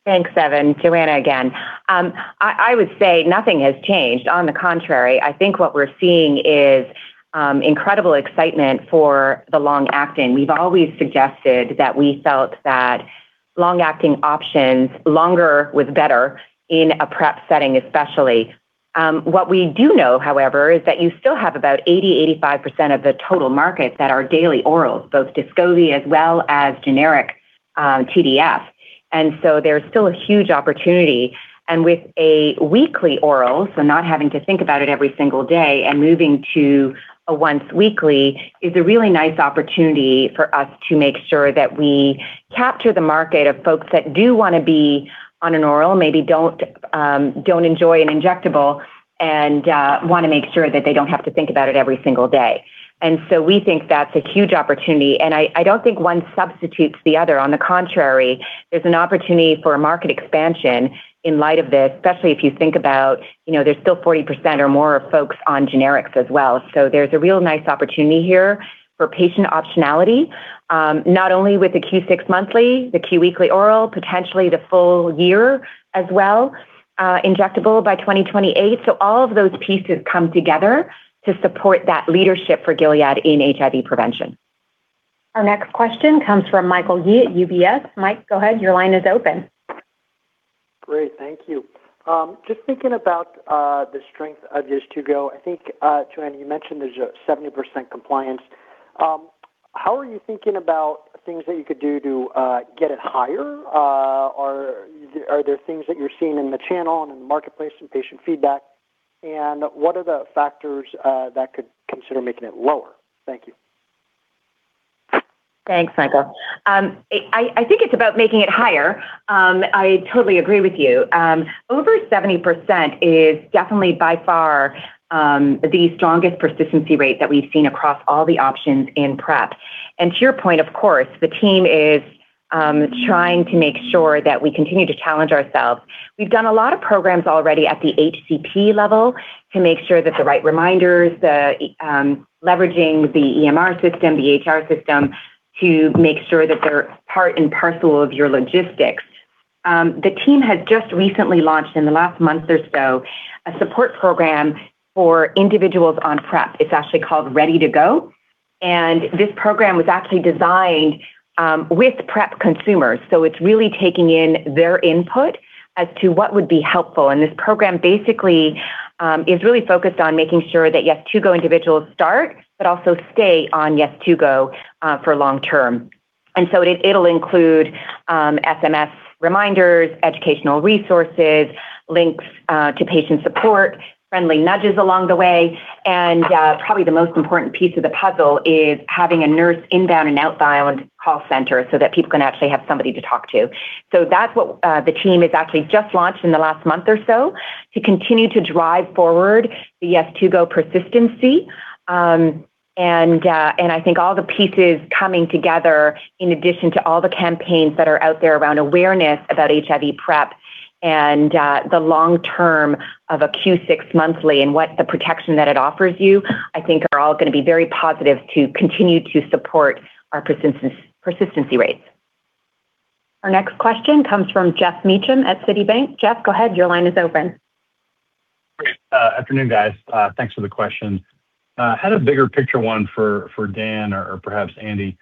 Thanks, Evan. Johanna again. I would say nothing has changed. On the contrary, I think what we're seeing is incredible excitement for the long-acting. We've always suggested that we felt that long-acting options, longer was better in a PrEP setting, especially. What we do know, however, is that you still have about 80%-85% of the total market that are daily orals, both Descovy as well as generic TDF. There's still a huge opportunity, and with a weekly oral, not having to think about it every single day and moving to a once-weekly, is a really nice opportunity for us to make sure that we capture the market of folks that do want to be on an oral, maybe don't enjoy an injectable, and want to make sure that they don't have to think about it every single day. We think that's a huge opportunity. I don't think one substitutes the other. On the contrary, there's an opportunity for a market expansion in light of this, especially if you think about how there's still 40% or more of folks on generics as well. There's a real nice opportunity here for patient optionality, not only with the Q6 monthly, the Q-weekly oral, potentially the full year as well, injectable by 2028. All of those pieces come together to support that leadership for Gilead in HIV prevention. Our next question comes from Michael Yee at UBS. Mike, go ahead. Your line is open. Great. Thank you. Just thinking about the strength of Yeztugo, I think, Johanna, you mentioned there's a 70% compliance. How are you thinking about things that you could do to get it higher? Are there things that you're seeing in the channel and in the marketplace and patient feedback? What are the factors that could consider making it lower? Thank you. Thanks, Michael. I think it's about making it higher. I totally agree with you. Over 70% is definitely by far the strongest persistency rate that we've seen across all the options in PrEP. To your point, of course, the team is trying to make sure that we continue to challenge ourselves. We've done a lot of programs already at the HCP level to make sure that the right reminders, leveraging the EMR system, the HR system, to make sure that they're part and parcel of your logistics. The team had just recently launched in the last month or so a support program for individuals on PrEP. It's actually called Ready to Go, and this program was actually designed with PrEP consumers. It's really taking in their input as to what would be helpful. This program basically is really focused on making sure that Yeztugo individuals start but also stay on Yeztugo for long term. It'll include SMS reminders, educational resources, links to patient support, friendly nudges along the way, and probably the most important piece of the puzzle is having a nurse inbound and outbound call center so that people can actually have somebody to talk to. That's what the team has actually just launched in the last month or so to continue to drive forward the Yeztugo persistency. I think all the pieces coming together in addition to all the campaigns that are out there around awareness about HIV PrEP and the long term of a Q6 monthly and what the protection that it offers you, I think are all going to be very positive to continue to support our persistency rates. Our next question comes from Geoff Meacham at Citibank. Geoff, go ahead. Your line is open. Great. Afternoon, guys. Thanks for the question. Had a bigger picture one for Dan or perhaps Andy.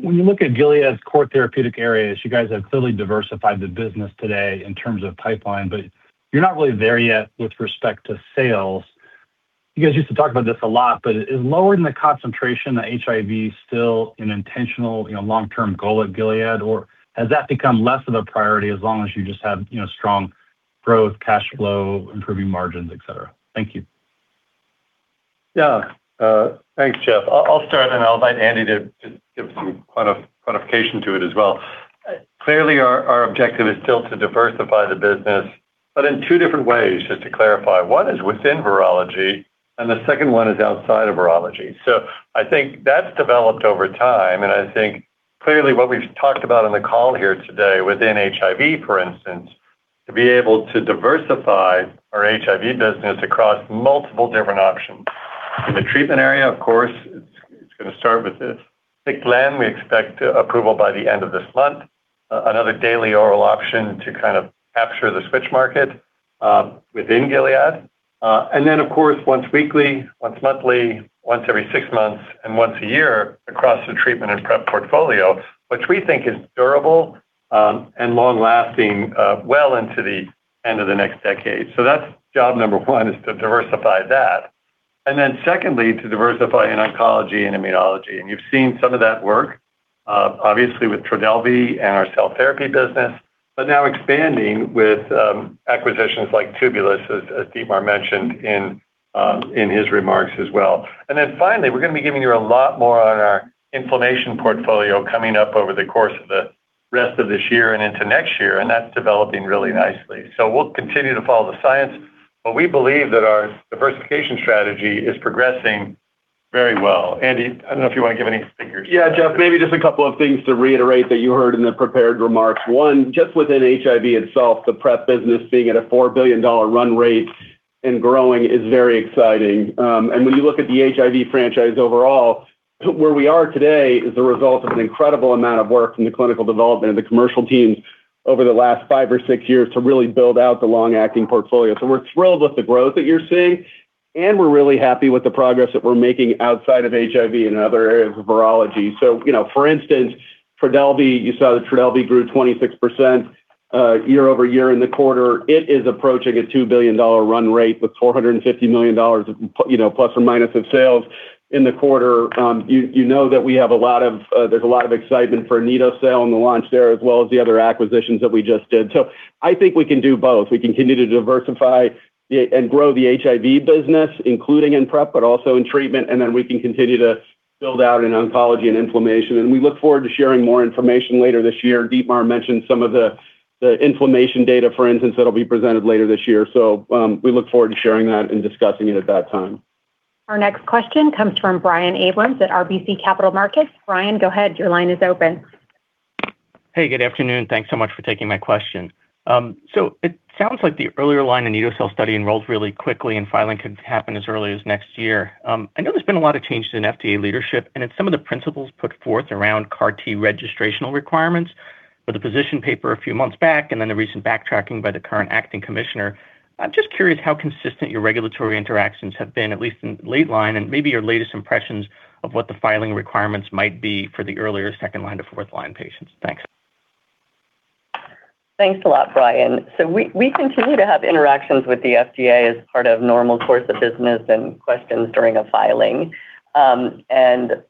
When you look at Gilead's core therapeutic areas, you guys have clearly diversified the business today in terms of pipeline, but you're not really there yet with respect to sales. You guys used to talk about this a lot, but is lowering the concentration of HIV still an intentional long-term goal at Gilead? Or has that become less of a priority as long as you just have strong growth, cash flow, improving margins, et cetera? Thank you. Thanks, Geoff. I'll start and then I'll invite Andy to give some quantification to it as well. Clearly, our objective is still to diversify the business, but in two different ways, just to clarify. One is within virology and the second one is outside of virology. I think that's developed over time, and I think clearly what we've talked about on the call here today within HIV, for instance, to be able to diversify our HIV business across multiple different options. In the treatment area, of course, it's going to start with this BIC/LEN, we expect approval by the end of this month. Another daily oral option to capture the switch market within Gilead. Of course, once-weekly, once-monthly, once every six months, and once a year across the treatment and PrEP portfolio, which we think is durable and long-lasting well into the end of the next decade. That's job number one is to diversify that. Secondly, to diversify in oncology and immunology. You've seen some of that work, obviously with Trodelvy and our cell therapy business, but now expanding with acquisitions like Tubulis, as Dietmar mentioned in his remarks as well. Finally, we're going to be giving you a lot more on our inflammation portfolio coming up over the course of the rest of this year and into next year, and that's developing really nicely. We'll continue to follow the science, but we believe that our diversification strategy is progressing very well. Andy, I don't know if you want to give any figures. Yeah, Geoff, maybe just a couple of things to reiterate that you heard in the prepared remarks. One, just within HIV itself, the PrEP business being at a $4 billion run rate and growing is very exciting. When you look at the HIV franchise overall, where we are today is the result of an incredible amount of work from the clinical development and the commercial teams over the last five or six years to really build out the long-acting portfolio. We're thrilled with the growth that you're seeing, and we're really happy with the progress that we're making outside of HIV and other areas of virology. For instance, Trodelvy, you saw that Trodelvy grew 26% year-over-year in the quarter. It is approaching a $2 billion run rate with $450 million, plus or minus of sales in the quarter. You know that there's a lot of excitement for anito-cel and the launch there, as well as the other acquisitions that we just did. I think we can do both. We continue to diversify and grow the HIV business, including in PrEP, but also in treatment. We can continue to Build out in oncology and inflammation, and we look forward to sharing more information later this year. Dietmar mentioned some of the inflammation data, for instance, that'll be presented later this year. We look forward to sharing that and discussing it at that time. Our next question comes from Brian Abrahams at RBC Capital Markets. Brian, go ahead. Your line is open. Hey, good afternoon. Thanks so much for taking my question. It sounds like the earlier line anito-cel study enrolled really quickly and filing could happen as early as next year. I know there's been a lot of changes in FDA leadership, and in some of the principles put forth around CAR T registrational requirements with the position paper a few months back, and the recent backtracking by the current acting commissioner. I'm just curious how consistent your regulatory interactions have been, at least in the lead line and maybe your latest impressions of what the filing requirements might be for the earlier 2nd line to 4th line patients? Thanks. Thanks a lot, Brian. We continue to have interactions with the FDA as part of normal course of business and questions during a filing and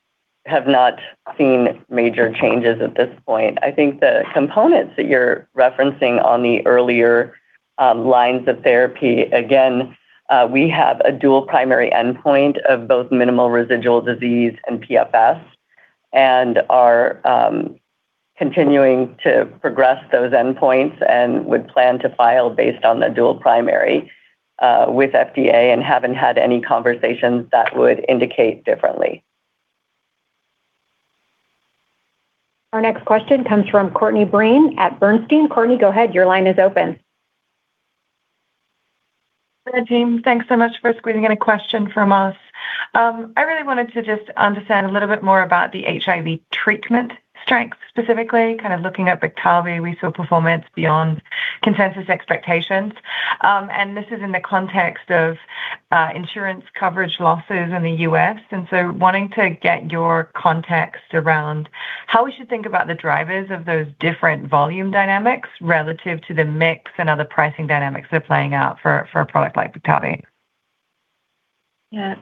have not seen major changes at this point. I think the components that you're referencing on the earlier lines of therapy, again, we have a dual primary endpoint of both minimal residual disease and PFS, and are continuing to progress those endpoints and would plan to file based on the dual primary, with FDA and haven't had any conversations that would indicate differently. Our next question comes from Courtney Breen at Bernstein. Courtney, go ahead. Your line is open. Hi team. Thanks so much for squeezing in a question from us. I really wanted to just understand a little bit more about the HIV treatment strength, specifically kind of looking at Biktarvy, we saw performance beyond consensus expectations. This is in the context of insurance coverage losses in the U.S., wanting to get your context around how we should think about the drivers of those different volume dynamics relative to the mix and other pricing dynamics that are playing out for a product like Biktarvy? Yeah.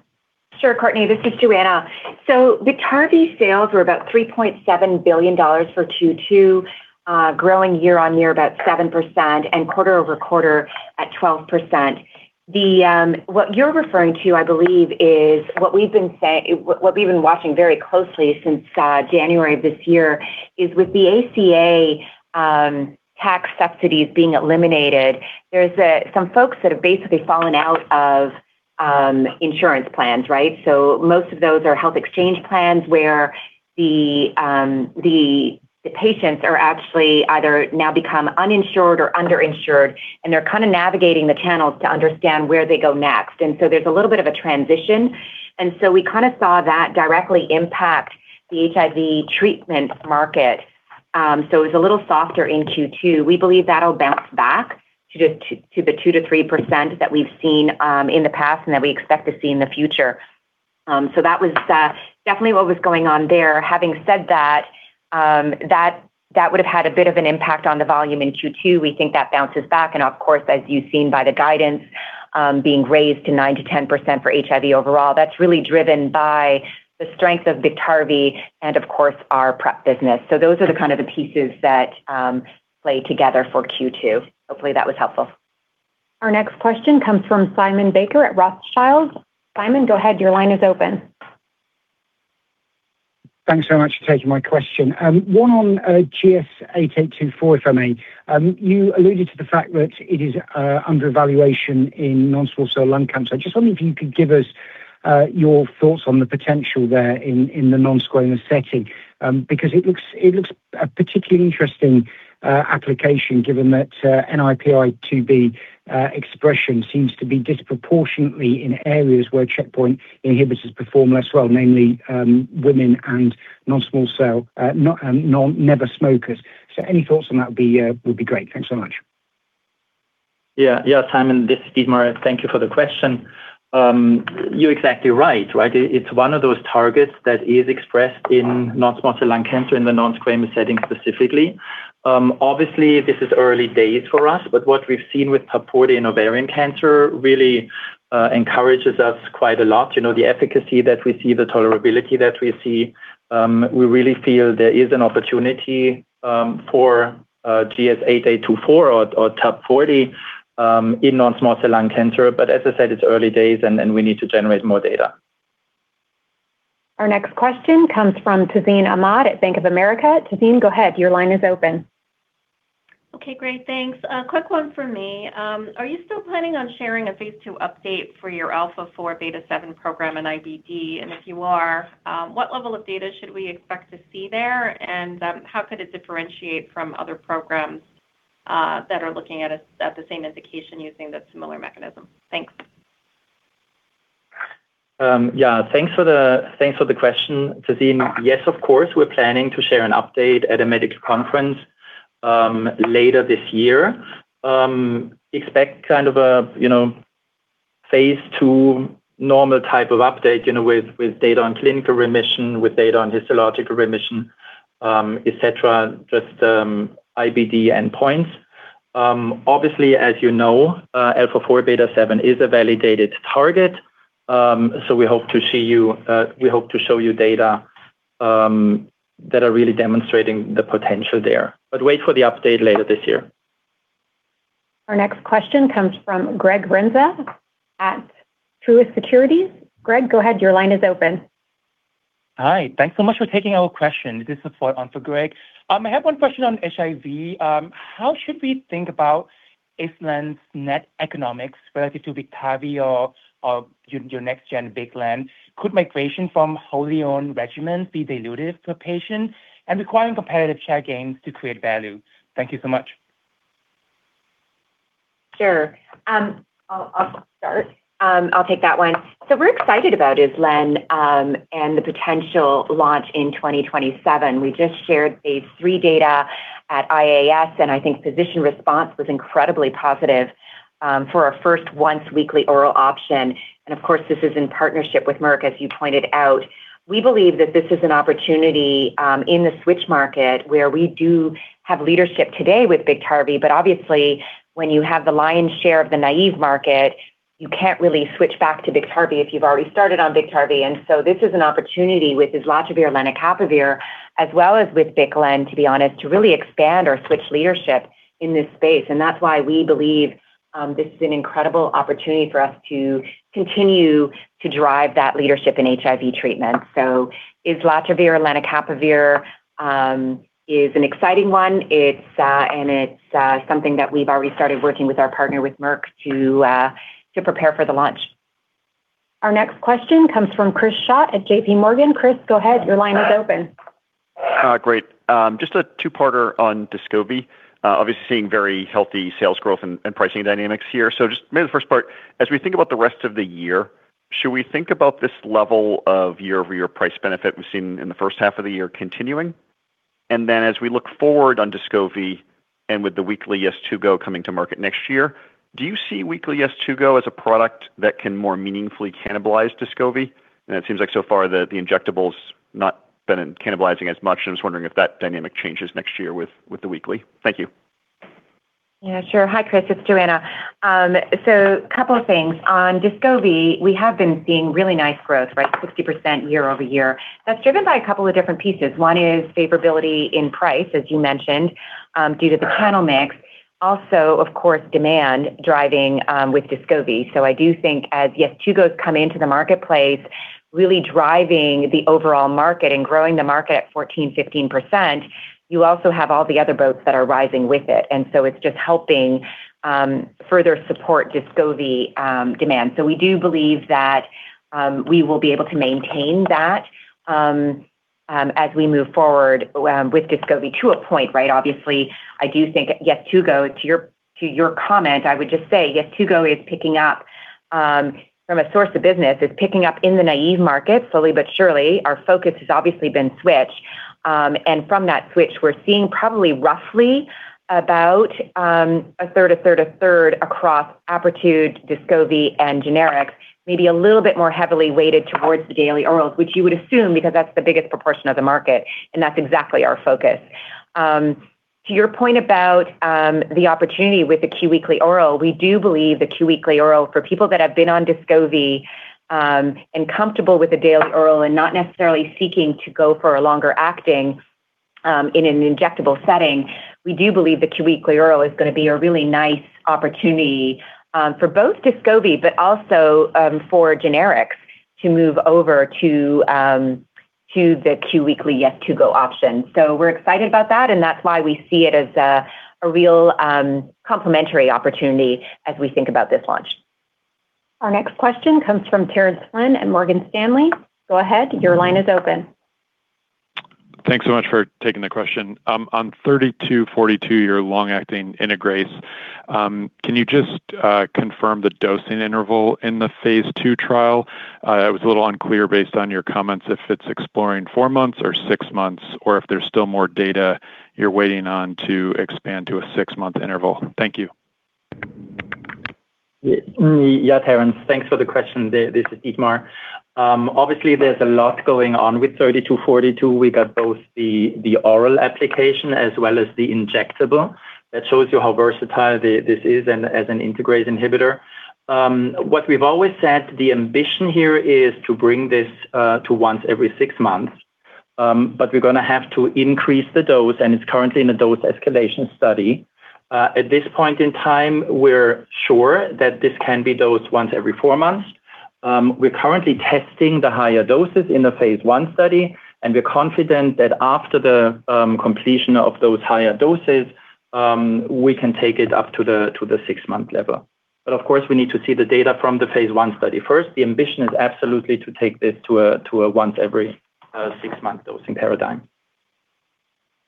Sure, Courtney. This is Johanna. Biktarvy sales were about $3.7 billion for Q2, growing year-over-year about 7% and quarter-over-quarter at 12%. What you're referring to, I believe is what we've been watching very closely since January of this year is with the ACA tax subsidies being eliminated, there's some folks that have basically fallen out of insurance plans. Most of those are health exchange plans where the patients are actually either now become uninsured or underinsured, and they're kind of navigating the channels to understand where they go next. There's a little bit of a transition. We kind of saw that directly impact the HIV treatment market. It was a little softer in Q2. We believe that'll bounce back to the 2%-3% that we've seen in the past and that we expect to see in the future. That was definitely what was going on there. Having said that would've had a bit of an impact on the volume in Q2. We think that bounces back and of course, as you've seen by the guidance, being raised to 9%-10% for HIV overall, that's really driven by the strength of Biktarvy and of course, our PrEP business. Those are the kind of the pieces that play together for Q2. Hopefully that was helpful. Our next question comes from Simon Baker at Rothschild. Simon, go ahead. Your line is open. Thanks so much for taking my question. One on GS-8824, if I may. You alluded to the fact that it is under evaluation in non-small cell lung cancer. I just wonder if you could give us your thoughts on the potential there in the non-squamous setting. It looks a particularly interesting application given that NaPi2b expression seems to be disproportionately in areas where checkpoint inhibitors perform less well, namely, women and non-small cell, never smokers. Any thoughts on that would be great? Thanks so much. Yeah, Simon, this is Dietmar. Thank you for the question. You're exactly right. It's one of those targets that is expressed in non-small cell lung cancer in the non-squamous setting specifically. Obviously, this is early days for us, but what we've seen with TUB-040 in ovarian cancer really encourages us quite a lot. The efficacy that we see, the tolerability that we see, we really feel there is an opportunity for GS-8824 or TUB-040, in non-small cell lung cancer. As I said, it's early days, and we need to generate more data. Our next question comes from Tazeen Ahmad at Bank of America. Tazeen, go ahead. Your line is open. Okay, great. Thanks. A quick one for me. Are you still planning on sharing a phase II update for your α4β7 program in IBD? If you are, what level of data should we expect to see there? How could it differentiate from other programs that are looking at the same indication using that similar mechanism? Thanks. Yeah. Thanks for the question, Tazeen. Yes, of course. We're planning to share an update at a medical conference later this year. Expect kind of a phase II normal type of update, with data on clinical remission, with data on histological remission, et cetera, just IBD endpoints. Obviously as you know, α4β7 is a validated target. We hope to show you data that are really demonstrating the potential there. Wait for the update later this year. Our next question comes from Greg Renza at Truist Securities. Greg, go ahead. Your line is open. Hi. Thanks so much for taking our question. This is for [Anto Greg]. I have one question on HIV. How should we think about ISLEND's net economics relative to Biktarvy or your next gen BIC/LEN? Could migration from wholly owned regimens be dilutive for patients and requiring competitive share gains to create value? Thank you so much. Sure. I'll start. I'll take that one. We're excited about ISLEND, and the potential launch in 2027. We just shared phase III data at IAS. I think physician response was incredibly positive for our first once-weekly oral option. Of course, this is in partnership with Merck, as you pointed out. We believe that this is an opportunity in the switch market where we do have leadership today with Biktarvy. Obviously when you have the lion's share of the naive market, you can't really switch back to Biktarvy if you've already started on Biktarvy. This is an opportunity with islatravir/lenacapavir, as well as with BIC/LEN, to be honest, to really expand or switch leadership in this space. That's why we believe this is an incredible opportunity for us to continue to drive that leadership in HIV treatment so, islatravir/lenacapavir is an exciting one. It's something that we've already started working with our partner, with Merck, to prepare for the launch. Our next question comes from Chris Schott at JPMorgan. Chris, go ahead. Your line is open. Great. Just a two-parter on Descovy. Obviously seeing very healthy sales growth and pricing dynamics here. Just maybe the first part, as we think about the rest of the year, should we think about this level of year-over-year price benefit we've seen in the first half of the year continuing? Then as we look forward on Descovy and with the weekly Yeztugo coming to market next year, do you see weekly Yeztugo as a product that can more meaningfully cannibalize Descovy? It seems like so far the injectable's not been cannibalizing as much, and I was wondering if that dynamic changes next year with the weekly. Thank you. Yeah, sure. Hi, Chris. It's Johanna. A couple of things. On Descovy, we have been seeing really nice growth, right? 60% year-over-year. That's driven by a couple of different pieces. One is favorability in price, as you mentioned, due to the panel mix. Also, of course, demand driving with Descovy. So, I do think us Yeztugo's come into the marketplace, really driving the overall market and growing the market 14%-15%, you also have all the other boats that are rising with it. It's just helping further support Descovy demand. We do believe that we will be able to maintain that as we move forward with Descovy to a point, right? Obviously, I do think Yeztugo, to your comment, I would just say Yeztugo is picking up from a source of business, is picking up in the naive market slowly but surely. Our focus has obviously been switch. From that switch, we're seeing probably roughly about a third, a third, a third across Apretude, Descovy, and generics, maybe a little bit more heavily weighted towards the daily orals, which you would assume because that's the biggest proportion of the market, and that's exactly our focus. To your point about the opportunity with the Q-weekly oral, we do believe the Q-weekly oral for people that have been on Descovy, and comfortable with the daily oral and not necessarily seeking to go for a longer-acting in an injectable setting, we do believe the Q-weekly oral is going to be a really nice opportunity for both Descovy, but also for generics to move over to the Q-weekly Yeztugo option. We're excited about that, and that's why we see it as a real complementary opportunity as we think about this launch. Our next question comes from Terence Flynn at Morgan Stanley. Go ahead, your line is open. Thanks so much for taking the question. On 3242, your long-acting integrase, can you just confirm the dosing interval in the phase II trial? It was a little unclear based on your comments, if it's exploring four months or six months, or if there's still more data you're waiting on to expand to a six-month interval? Thank you. Yeah, Terence. Thanks for the question. This is Dietmar. Obviously, there's a lot going on with 3242. We got both the oral application as well as the injectable. That shows you how versatile this is as an integrase inhibitor. What we've always said, the ambition here is to bring this to once every six months. We're going to have to increase the dose, and it's currently in a dose escalation study. At this point in time, we're sure that this can be dosed once every four months. We're currently testing the higher doses in the phase I study, and we're confident that after the completion of those higher doses, we can take it up to the six-month level. Of course, we need to see the data from the phase I study first. The ambition is absolutely to take this to a once every six-month dosing paradigm.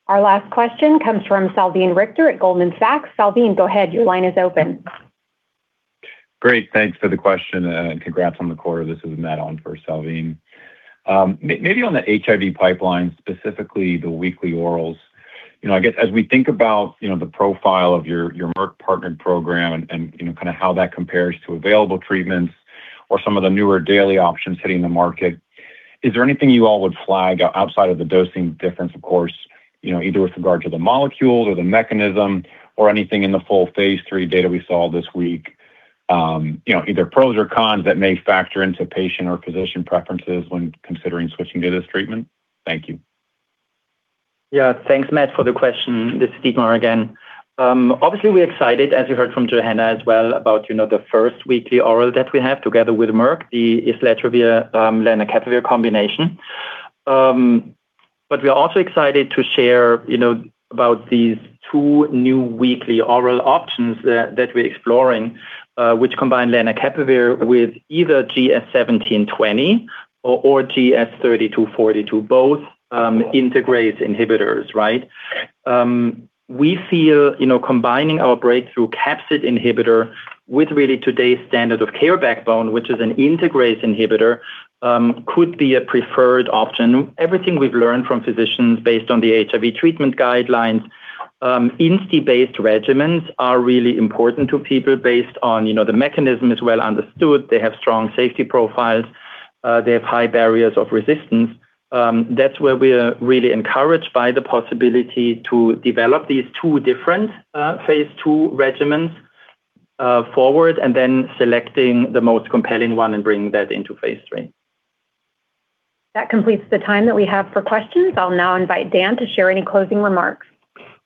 Our last question comes from Salveen Richter at Goldman Sachs. Salveen, go ahead. Your line is open. Great. Thanks for the question, and congrats on the quarter. This is Matt on for Salveen. Maybe on the HIV pipeline, specifically the weekly orals. I guess as we think about the profile of your Merck partnered program and kind of how that compares to available treatments or some of the newer daily options hitting the market, is there anything you all would flag out outside of the dosing difference, of course, either with regard to the molecules or the mechanism or anything in the full phase III data we saw this week, either pros or cons that may factor into patient or physician preferences when considering switching to this treatment? Thank you. Yeah. Thanks, Matt, for the question. This is Dietmar again. Obviously, we're excited, as you heard from Johanna as well, about the first weekly oral that we have together with Merck, the islatravir lenacapavir combination. We are also excited to share about these two new weekly oral options that we're exploring, which combine lenacapavir with either GS-1720 or GS-3242, both integrase inhibitors. Right? We feel combining our breakthrough capsid inhibitor with really today's standard of care backbone, which is an integrase inhibitor, could be a preferred option. Everything we've learned from physicians based on the HIV treatment guidelines, INSTI-based regimens are really important to people based on the mechanism is well understood, they have strong safety profiles, they have high barriers of resistance. That's where we're really encouraged by the possibility to develop these two different phase II regimens forward and then selecting the most compelling one and bringing that into phase III. That completes the time that we have for questions. I'll now invite Dan to share any closing remarks.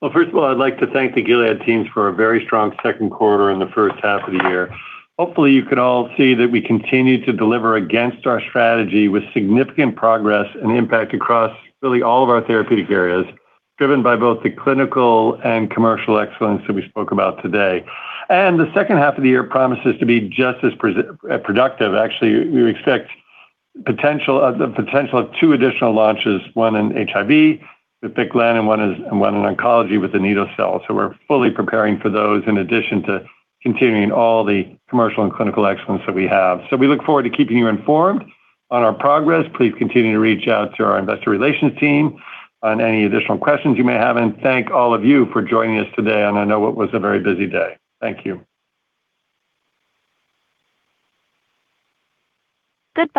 Well, first of all, I'd like to thank the Gilead teams for a very strong second quarter in the first half of the year. Hopefully, you can all see that we continue to deliver against our strategy with significant progress and impact across really all of our therapeutic areas, driven by both the clinical and commercial excellence that we spoke about today. The second half of the year promises to be just as productive. Actually, we expect the potential of two additional launches, one in HIV with BIC/LEN and one in oncology with anito-cel. We're fully preparing for those in addition to continuing all the commercial and clinical excellence that we have. We look forward to keeping you informed on our progress. Please continue to reach out to our investor relations team on any additional questions you may have. Thank all of you for joining us today on I know what was a very busy day. Thank you.